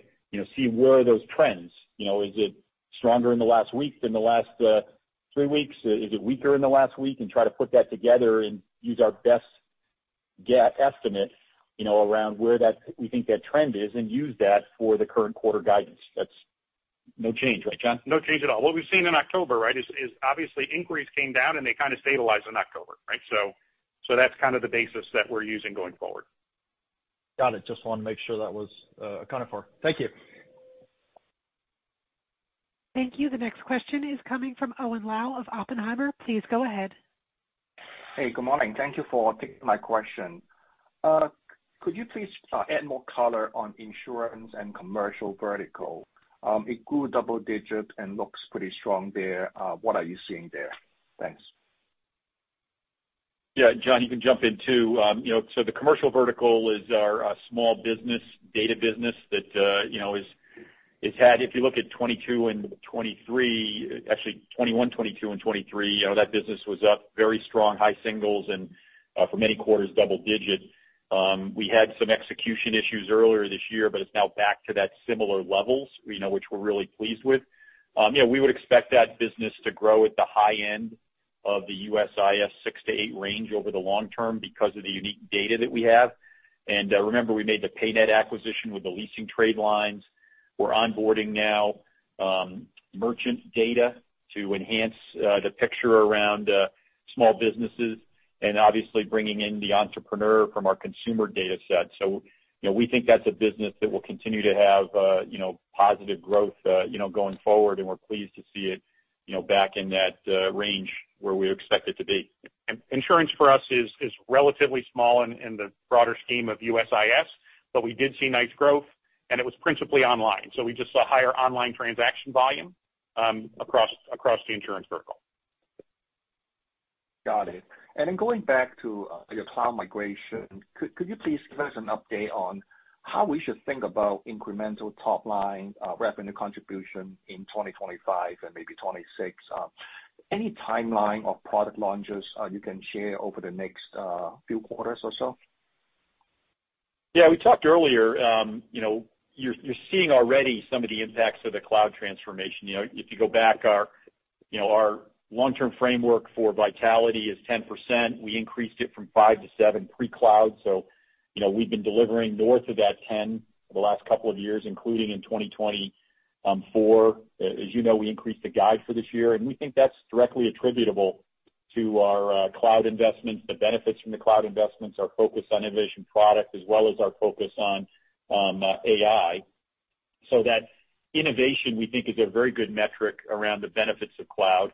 see where are those trends. You know, is it stronger in the last week than the last three weeks? Is it weaker in the last week? And try to put that together and use our best estimate, you know, around where that, we think that trend is, and use that for the current quarter guidance. That's no change, right, John? No change at all. What we've seen in October, right, is obviously inquiries came down and they kind of stabilized in October, right? So that's kind of the basis that we're using going forward. Got it. Just wanted to make sure that was accounted for. Thank you. Thank you. The next question is coming from Owen Lau of Oppenheimer. Please go ahead. Hey, good morning. Thank you for taking my question. Could you please add more color on insurance and commercial vertical? It grew double digit and looks pretty strong there. What are you seeing there? Thanks. Yeah, John, you can jump in, too. You know, so the commercial vertical is our small business data business that you know is—it's had, if you look at 2022 and 2023, actually 2021, 2022 and 2023, you know, that business was up very strong, high singles, and for many quarters, double digits. We had some execution issues earlier this year, but it's now back to that similar levels, you know, which we're really pleased with. You know, we would expect that business to grow at the high end of the USIS six to eight range over the long term because of the unique data that we have. And remember, we made the PayNet acquisition with the leasing trade lines. We're onboarding now, merchant data to enhance, the picture around small businesses and obviously bringing in the entrepreneur from our consumer data set. So, you know, we think that's a business that will continue to have, you know, positive growth, you know, going forward, and we're pleased to see it, you know, back in that, range where we expect it to be. Insurance for us is relatively small in the broader scheme of USIS, but we did see nice growth, and it was principally online. So we just saw higher online transaction volume across the insurance vertical. Got it, and then going back to your cloud migration, could you please give us an update on how we should think about incremental top line revenue contribution in 2025 and maybe 2026? Any timeline of product launches you can share over the next few quarters or so? Yeah, we talked earlier, you know, you're seeing already some of the impacts of the cloud transformation. You know, if you go back, our long-term framework for Vitality is 10%. We increased it from five to seven pre-cloud, so, you know, we've been delivering north of that 10% for the last couple of years, including in 2024. As you know, we increased the guide for this year, and we think that's directly attributable to our cloud investments, the benefits from the cloud investments, our focus on innovation product, as well as our focus on AI. So that innovation, we think, is a very good metric around the benefits of cloud.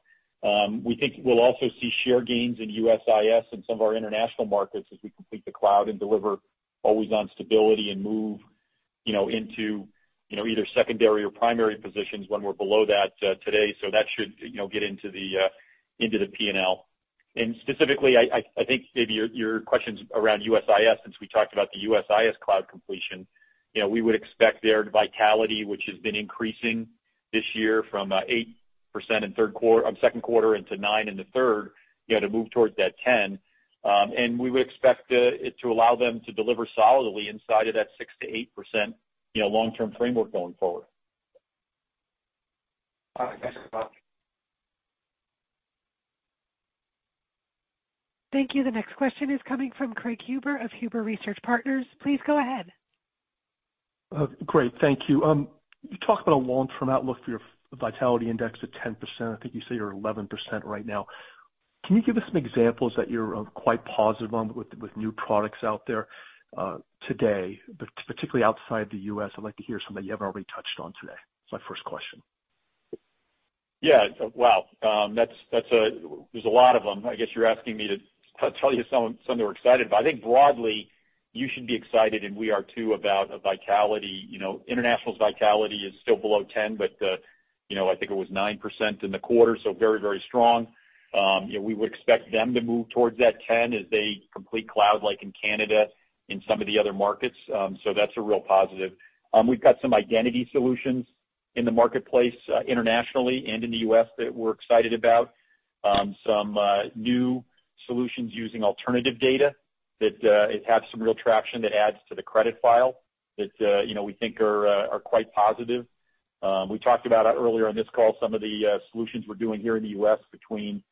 We think we'll also see share gains in USIS and some of our international markets as we complete the cloud and deliver always on stability and move, you know, into, you know, either secondary or primary positions when we're below that today. So that should, you know, get into the P&L. And specifically, I think maybe your questions around USIS, since we talked about the USIS cloud completion, you know, we would expect their vitality, which has been increasing this year from 8% in second quarter into 9% in the third, you know, to move towards that 10%. And we would expect it to allow them to deliver solidly inside of that 6%-8%, you know, long-term framework going forward. All right, thank you both. Thank you. The next question is coming from Craig Huber of Huber Research Partners. Please go ahead. Great, thank you. You talked about a long-term outlook for your vitality index of 10%. I think you say you're at 11% right now. Can you give us some examples that you're quite positive on with new products out there today, but particularly outside the U.S.? I'd like to hear something you haven't already touched on today. That's my first question. Yeah. Well, that's a- there's a lot of them. I guess you're asking me to tell you some that we're excited about. I think broadly, you should be excited, and we are too, about a vitality. You know, International's vitality is still below 10%, but, you know, I think it was 9% in the quarter, so very, very strong. You know, we would expect them to move towards that 10% as they complete cloud, like in Canada, in some of the other markets. So that's a real positive. We've got some identity solutions in the marketplace, internationally and in the U.S. that we're excited about. Some new solutions using alternative data that it has some real traction that adds to the credit file that, you know, we think are quite positive. We talked about, earlier in this call, some of the solutions we're doing here in the U.S. between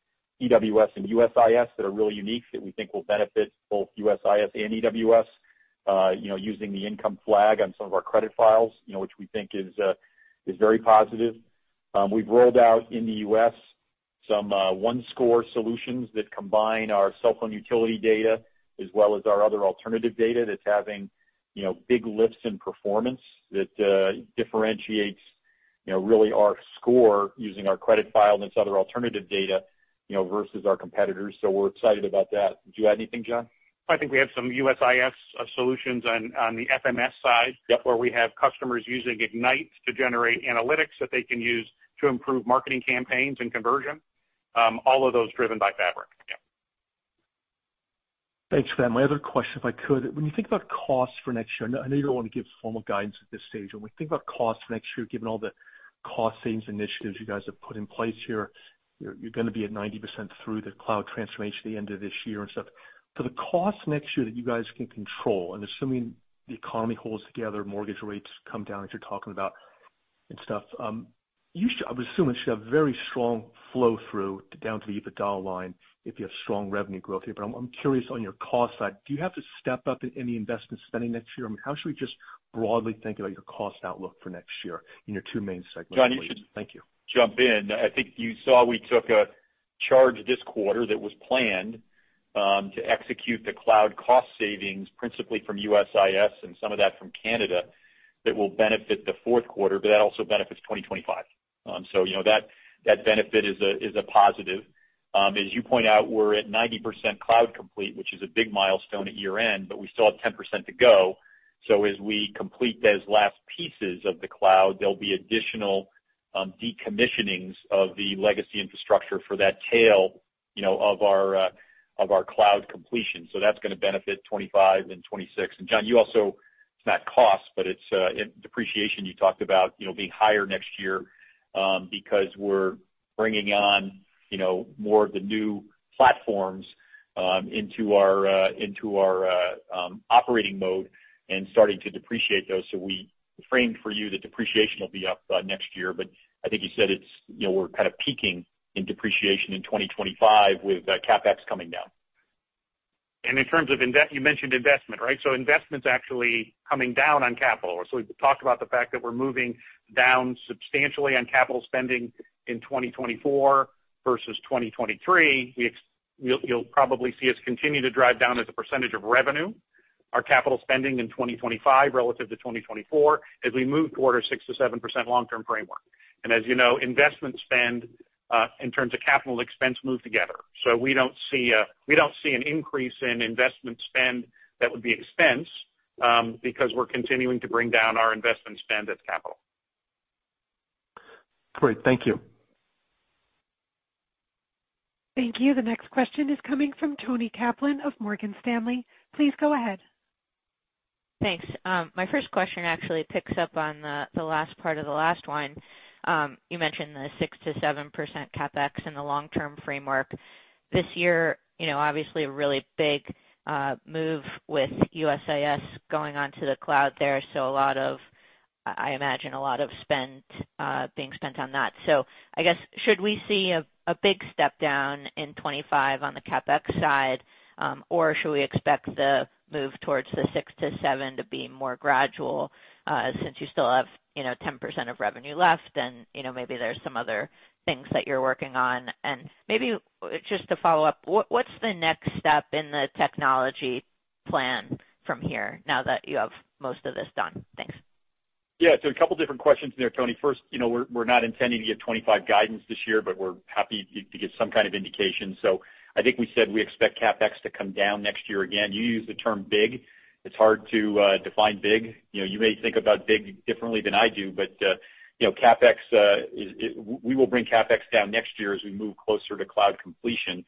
EWS and USIS that are really unique, that we think will benefit both USIS and EWS, you know, using the income flag on some of our credit files, you know, which we think is very positive. We've rolled out in the U.S. some OneScore solutions that combine our cell phone utility data as well as our other alternative data that's having, you know, big lifts in performance that differentiates, you know, really our score using our credit file and this other alternative data, you know, versus our competitors. So we're excited about that. Do you add anything, John? I think we have some USIS solutions on the FMS side. Yep. Where we have customers using Ignite to generate analytics that they can use to improve marketing campaigns and conversion. All of those driven by Fabric. Yeah. Thanks for that. My other question, if I could: When you think about costs for next year, I know you don't want to give formal guidance at this stage, when we think about costs for next year, given all the cost savings initiatives you guys have put in place here, you're gonna be at 90% through the cloud transformation at the end of this year and stuff. For the costs next year that you guys can control, and assuming the economy holds together, mortgage rates come down, as you're talking about and stuff, I would assume it should have very strong flow-through down to the EBITDA line if you have strong revenue growth here. But I'm curious, on your cost side, do you have to step up any investment spending next year? I mean, how should we just broadly think about your cost outlook for next year in your two main segments? John, you should- Thank you. Jump in. I think you saw we took a charge this quarter that was planned, to execute the cloud cost savings, principally from USIS and some of that from Canada, that will benefit the fourth quarter, but that also benefits 2025. So you know, that, that benefit is a, is a positive. As you point out, we're at 90% cloud complete, which is a big milestone at year-end, but we still have 10% to go. So as we complete those last pieces of the cloud, there'll be additional, decommissioning of the legacy infrastructure for that tail, you know, of our, of our cloud completion. So that's gonna benefit 2025 and 2026. And John, you also... It's not cost, but it's depreciation you talked about, you know, being higher next year, because we're bringing on, you know, more of the new platforms into our operating mode and starting to depreciate those. So we framed for you that depreciation will be up next year, but I think you said it's, you know, we're kind of peaking in depreciation in 2025 with CapEx coming down. And in terms of investment, you mentioned investment, right? So investment's actually coming down on capital. So we've talked about the fact that we're moving down substantially on capital spending in 2024 versus 2023. You'll, you'll probably see us continue to drive down as a percentage of revenue, our capital spending in 2025 relative to 2024, as we move toward our 6%-7% long-term framework. And as you know, investment spend, in terms of capital expense, move together. So we don't see an increase in investment spend that would be expense, because we're continuing to bring down our investment spend as capital. Great. Thank you. Thank you. The next question is coming from Toni Kaplan of Morgan Stanley. Please go ahead. Thanks. My first question actually picks up on the last part of the last one. You mentioned the 6%-7% CapEx in the long-term framework. This year, you know, obviously, a really big move with USIS going onto the cloud there, so a lot of, I imagine a lot of spend being spent on that. So I guess, should we see a big step down in 2025 on the CapEx side, or should we expect the move towards the 6%-7% to be more gradual, since you still have, you know, 10% of revenue left, and, you know, maybe there's some other things that you're working on? And maybe just to follow up, what's the next step in the technology plan from here now that you have most of this done? Thanks. Yeah, so a couple different questions there, Toni. First, you know, we're not intending to give 2025 guidance this year, but we're happy to give some kind of indication. So I think we said we expect CapEx to come down next year. Again, you used the term big. It's hard to define big. You know, you may think about big differently than I do, but you know, CapEx we will bring CapEx down next year as we move closer to cloud completion.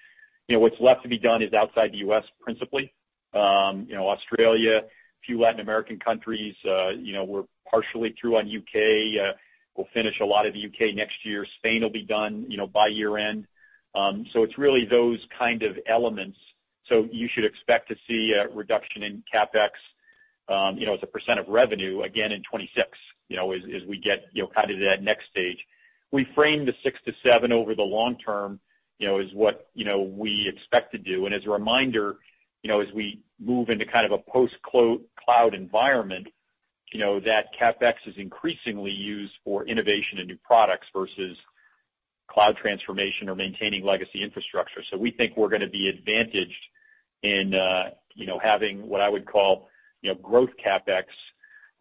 You know, what's left to be done is outside the U.S., principally. You know, Australia, a few Latin American countries, you know, we're partially through on U.K., we'll finish a lot of the U.K. next year. Spain will be done, you know, by year-end. So it's really those kind of elements. So you should expect to see a reduction in CapEx, you know, as a percent of revenue again in 2026, you know, as we get, you know, kind of to that next stage. We framed the 6%-7% over the long term, you know, as what, you know, we expect to do. And as a reminder, you know, as we move into kind of a post-cloud environment, you know, that CapEx is increasingly used for innovation and new products versus cloud transformation or maintaining legacy infrastructure. We think we're gonna be advantaged in, you know, having what I would call, you know, growth CapEx,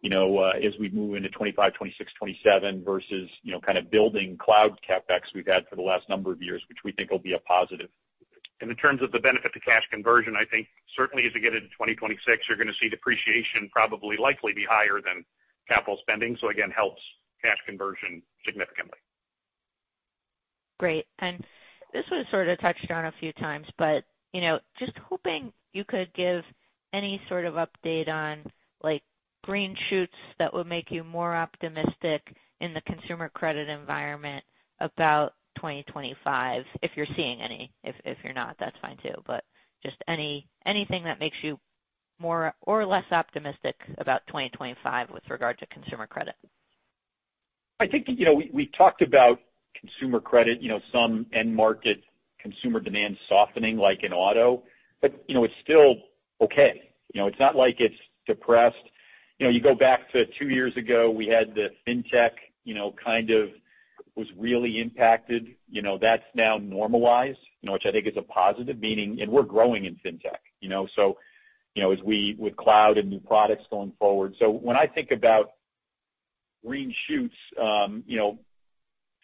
you know, as we move into 2025, 2026, 2027, versus, you know, kind of building cloud CapEx we've had for the last number of years, which we think will be a positive. In terms of the benefit to cash conversion, I think certainly as we get into 2026, you're going to see depreciation likely be higher than capital spending, so again, helps cash conversion significantly. Great, and this was sort of touched on a few times, but, you know, just hoping you could give any sort of update on, like, green shoots that would make you more optimistic in the consumer credit environment about 2025, if you're seeing any. If you're not, that's fine, too. But just anything that makes you more or less optimistic about 2025 with regard to consumer credit. I think, you know, we talked about consumer credit, you know, some end market consumer demand softening like in auto, but, you know, it's still okay. You know, it's not like it's depressed. You know, you go back to two years ago, we had the fintech, you know, kind of was really impacted. You know, that's now normalized, you know, which I think is a positive, meaning, and we're growing in fintech, you know, so, you know, with cloud and new products going forward. So when I think about green shoots, you know,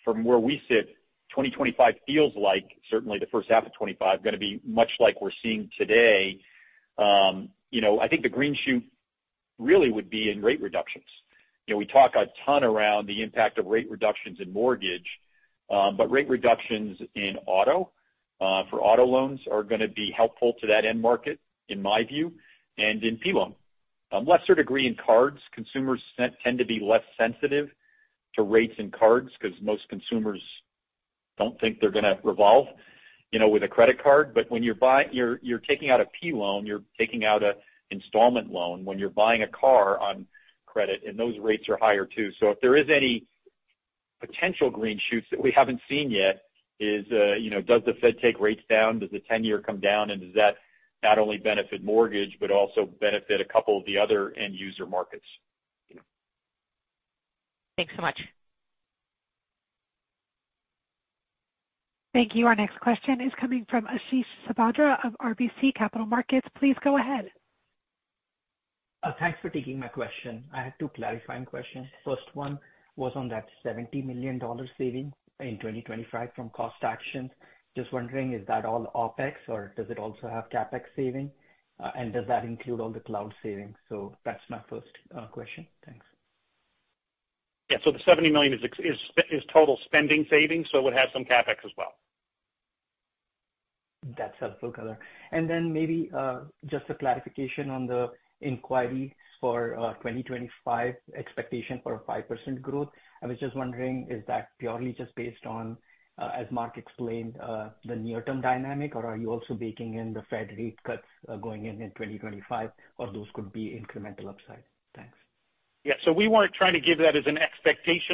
from where we sit, 2025 feels like, certainly the first half of 2025, gonna be much like we're seeing today. You know, I think the green shoot really would be in rate reductions. You know, we talk a ton around the impact of rate reductions in mortgage, but rate reductions in auto, for auto loans, are gonna be helpful to that end market, in my view, and in P loan. Lesser degree in cards. Consumers tend to be less sensitive to rates in cards, because most consumers don't think they're gonna revolve, you know, with a credit card. But when you're taking out a P loan, you're taking out an installment loan when you're buying a car on credit, and those rates are higher, too. So if there is any potential green shoots that we haven't seen yet, you know, does the Fed take rates down? Does the 10-year come down, and does that not only benefit mortgage, but also benefit a couple of the other end user markets, you know? Thanks so much. Thank you. Our next question is coming from Ashish Sabadra of RBC Capital Markets. Please go ahead. Thanks for taking my question. I had two clarifying questions. First one was on that $70 million saving in 2025 from cost actions. Just wondering, is that all OpEx, or does it also have CapEx saving? And does that include all the cloud savings? So that's my first question. Thanks. Yeah, so the $70 million is total spending savings, so it would have some CapEx as well. That's helpful, color. And then maybe just a clarification on the inquiry for 2025 expectation for a 5% growth. I was just wondering, is that purely just based on, as Mark explained, the near-term dynamic, or are you also baking in the Fed rate cuts going in in 2025, or those could be incremental upside? Thanks. Yeah, so we weren't trying to give that as an expectation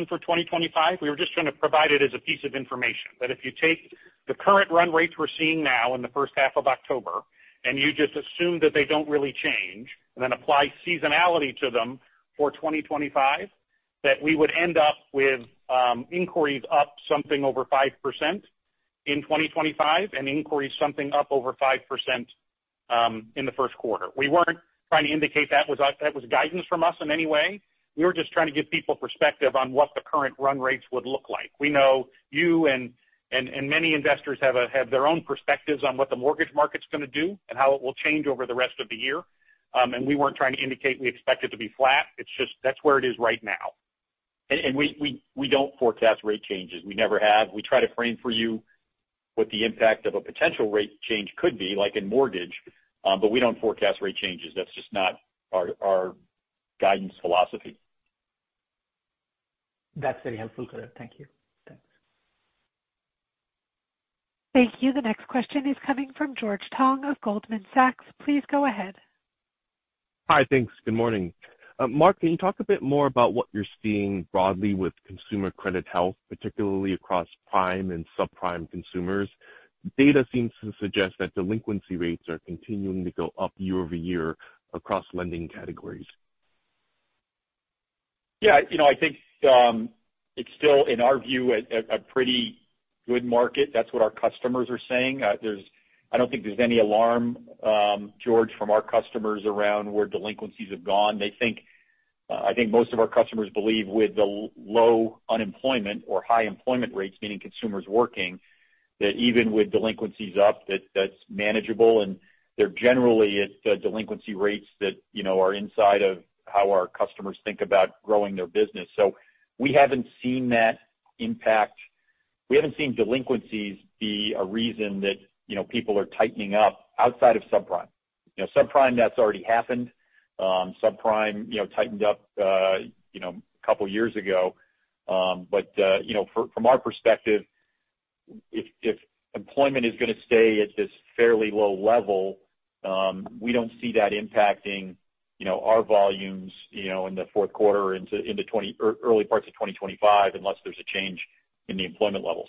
for 2025. We were just trying to provide it as a piece of information, but if you take the current run rates we're seeing now in the first half of October, and you just assume that they don't really change, and then apply seasonality to them for 2025, that we would end up with inquiries up something over 5% in 2025 and inquiries up something over 5% in the first quarter. We weren't trying to indicate that was guidance from us in any way. We were just trying to give people perspective on what the current run rates would look like. We know you and many investors have their own perspectives on what the mortgage market's gonna do and how it will change over the rest of the year. And we weren't trying to indicate we expect it to be flat. It's just, that's where it is right now. And we don't forecast rate changes. We never have. We try to frame for you what the impact of a potential rate change could be, like in mortgage, but we don't forecast rate changes. That's just not our guidance philosophy. That's very helpful. Thank you. Thanks. Thank you. The next question is coming from George Tong of Goldman Sachs. Please go ahead. Hi, thanks. Good morning. Mark, can you talk a bit more about what you're seeing broadly with consumer credit health, particularly across prime and subprime consumers? Data seems to suggest that delinquency rates are continuing to go up year over year across lending categories. Yeah, you know, I think, it's still, in our view, a pretty good market. That's what our customers are saying. I don't think there's any alarm, George, from our customers around where delinquencies have gone. They think, I think most of our customers believe with the low unemployment or high employment rates, meaning consumers working, that even with delinquencies up, that that's manageable, and they're generally, it's, delinquency rates that, you know, are inside of how our customers think about growing their business. So we haven't seen that impact. We haven't seen delinquencies be a reason that, you know, people are tightening up outside of subprime. You know, subprime, that's already happened. Subprime, you know, tightened up, you know, a couple years ago. But you know, from our perspective, if employment is going to stay at this fairly low level, we don't see that impacting, you know, our volumes, you know, in the fourth quarter into the early parts of twenty twenty-five, unless there's a change in the employment levels,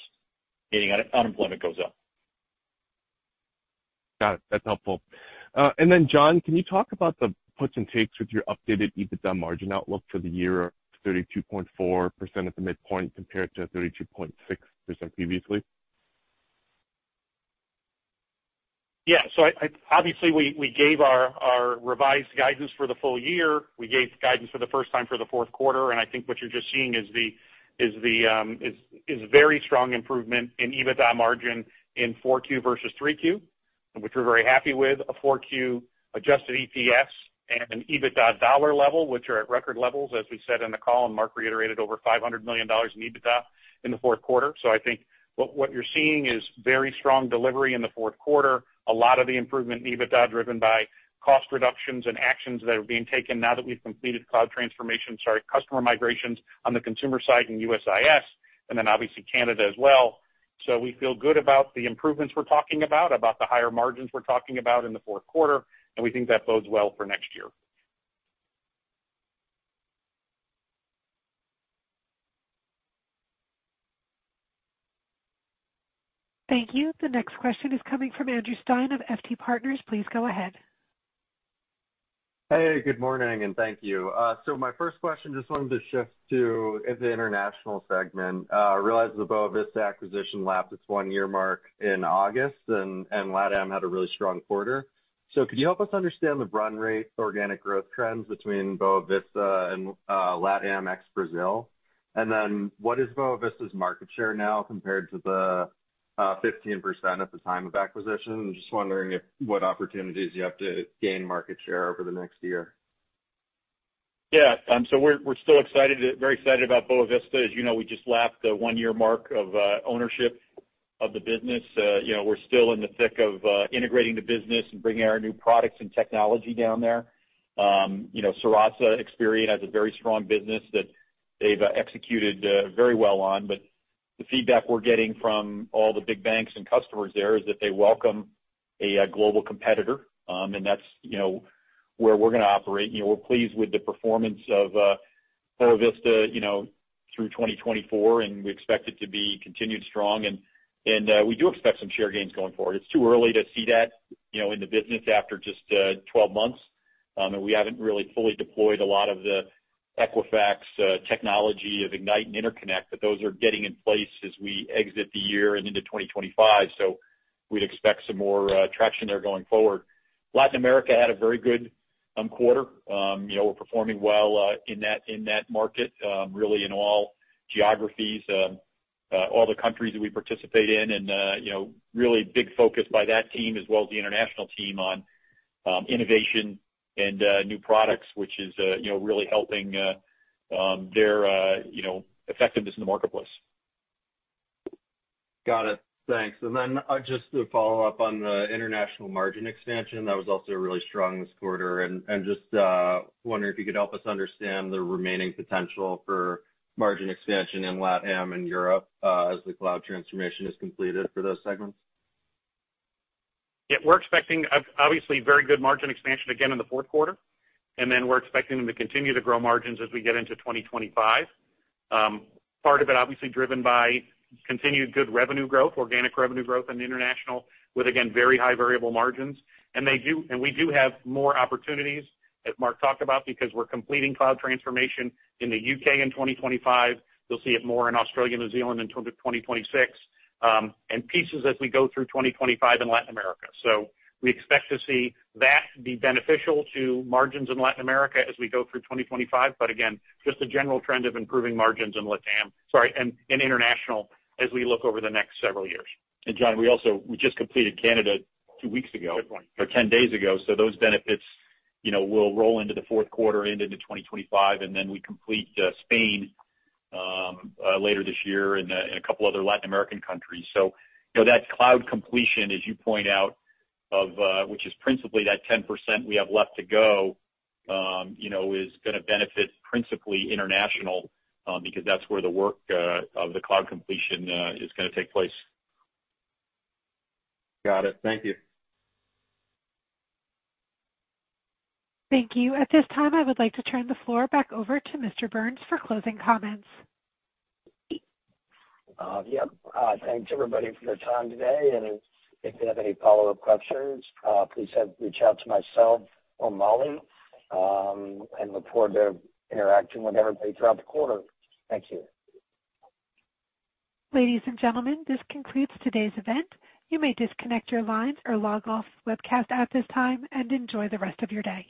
meaning unemployment goes up. Got it. That's helpful. And then John, can you talk about the puts and takes with your updated EBITDA margin outlook for the year, 32.4% at the midpoint, compared to 32.6% previously? Yeah, so obviously we gave our revised guidance for the full year. We gave guidance for the first time for the fourth quarter, and I think what you're just seeing is the very strong improvement in EBITDA margin in Q4 versus Q3, which we're very happy with. Q4 adjusted EPS and an EBITDA dollar level, which are at record levels, as we said in the call, and Mark reiterated over $500 million in EBITDA in the fourth quarter. So I think what you're seeing is very strong delivery in the fourth quarter. A lot of the improvement in EBITDA, driven by cost reductions and actions that are being taken now that we've completed cloud transformation, sorry, customer migrations on the consumer side and USIS, and then obviously Canada as well. So we feel good about the improvements we're talking about, about the higher margins we're talking about in the fourth quarter, and we think that bodes well for next year. Thank you. The next question is coming from Andrew Stein of FT Partners. Please go ahead. Hey, good morning, and thank you. So my first question, just wanted to shift to is the international segment. Realize the Boa Vista acquisition passed its one-year mark in August, and LatAm had a really strong quarter. So could you help us understand the run rate, organic growth trends between Boa Vista and LatAm, ex-Brazil? And then, what is Boa Vista's market share now, compared to the 15% at the time of acquisition? Just wondering what opportunities you have to gain market share over the next year. Yeah, so we're still excited, very excited about Boa Vista. As you know, we just lapped the one-year mark of ownership of the business. You know, we're still in the thick of integrating the business and bringing our new products and technology down there. You know, Serasa Experian has a very strong business that they've executed very well on, but the feedback we're getting from all the big banks and customers there is that they welcome a global competitor, and that's, you know, where we're going to operate. You know, we're pleased with the performance of Boa Vista, you know, through 2024, and we expect it to be continued strong, and we do expect some share gains going forward. It's too early to see that, you know, in the business after just 12 months. We haven't really fully deployed a lot of the Equifax technology of Ignite and InterConnect, but those are getting in place as we exit the year and into 2025. So we'd expect some more traction there going forward. Latin America had a very good quarter. You know, we're performing well in that market, really in all geographies, all the countries that we participate in, and you know, really big focus by that team, as well as the international team on innovation and new products, which is you know, really helping their you know, effectiveness in the marketplace. Got it. Thanks. And then, just to follow up on the international margin expansion, that was also really strong this quarter. And just, wondering if you could help us understand the remaining potential for margin expansion in LatAm and Europe, as the cloud transformation is completed for those segments. Yeah, we're expecting, obviously, very good margin expansion again in the fourth quarter, and then we're expecting them to continue to grow margins as we get into 2025. Part of it obviously driven by continued good revenue growth, organic revenue growth in the international, with, again, very high variable margins. And we do have more opportunities, as Mark talked about, because we're completing cloud transformation in the U.K. in 2025. You'll see it more in Australia and New Zealand in 2026, and pieces as we go through 2025 in Latin America. So we expect to see that be beneficial to margins in Latin America as we go through 2025, but again, just a general trend of improving margins in LatAm, sorry, in international as we look over the next several years. John, we also, we just completed Canada two weeks ago. Good point. Or 10 days ago, so those benefits, you know, will roll into the fourth quarter and into 2025, and then we complete Spain later this year, and a couple other Latin American countries. So, you know, that cloud completion, as you point out, of which is principally that 10% we have left to go, you know, is going to benefit principally international, because that's where the work of the cloud completion is going to take place. Got it. Thank you. Thank you. At this time, I would like to turn the floor back over to Mr. Burns for closing comments. Yep. Thanks everybody for their time today, and if you have any follow-up questions, please reach out to myself or Molly, and look forward to interacting with everybody throughout the quarter. Thank you. Ladies and gentlemen, this concludes today's event. You may disconnect your lines or log off webcast at this time, and enjoy the rest of your day.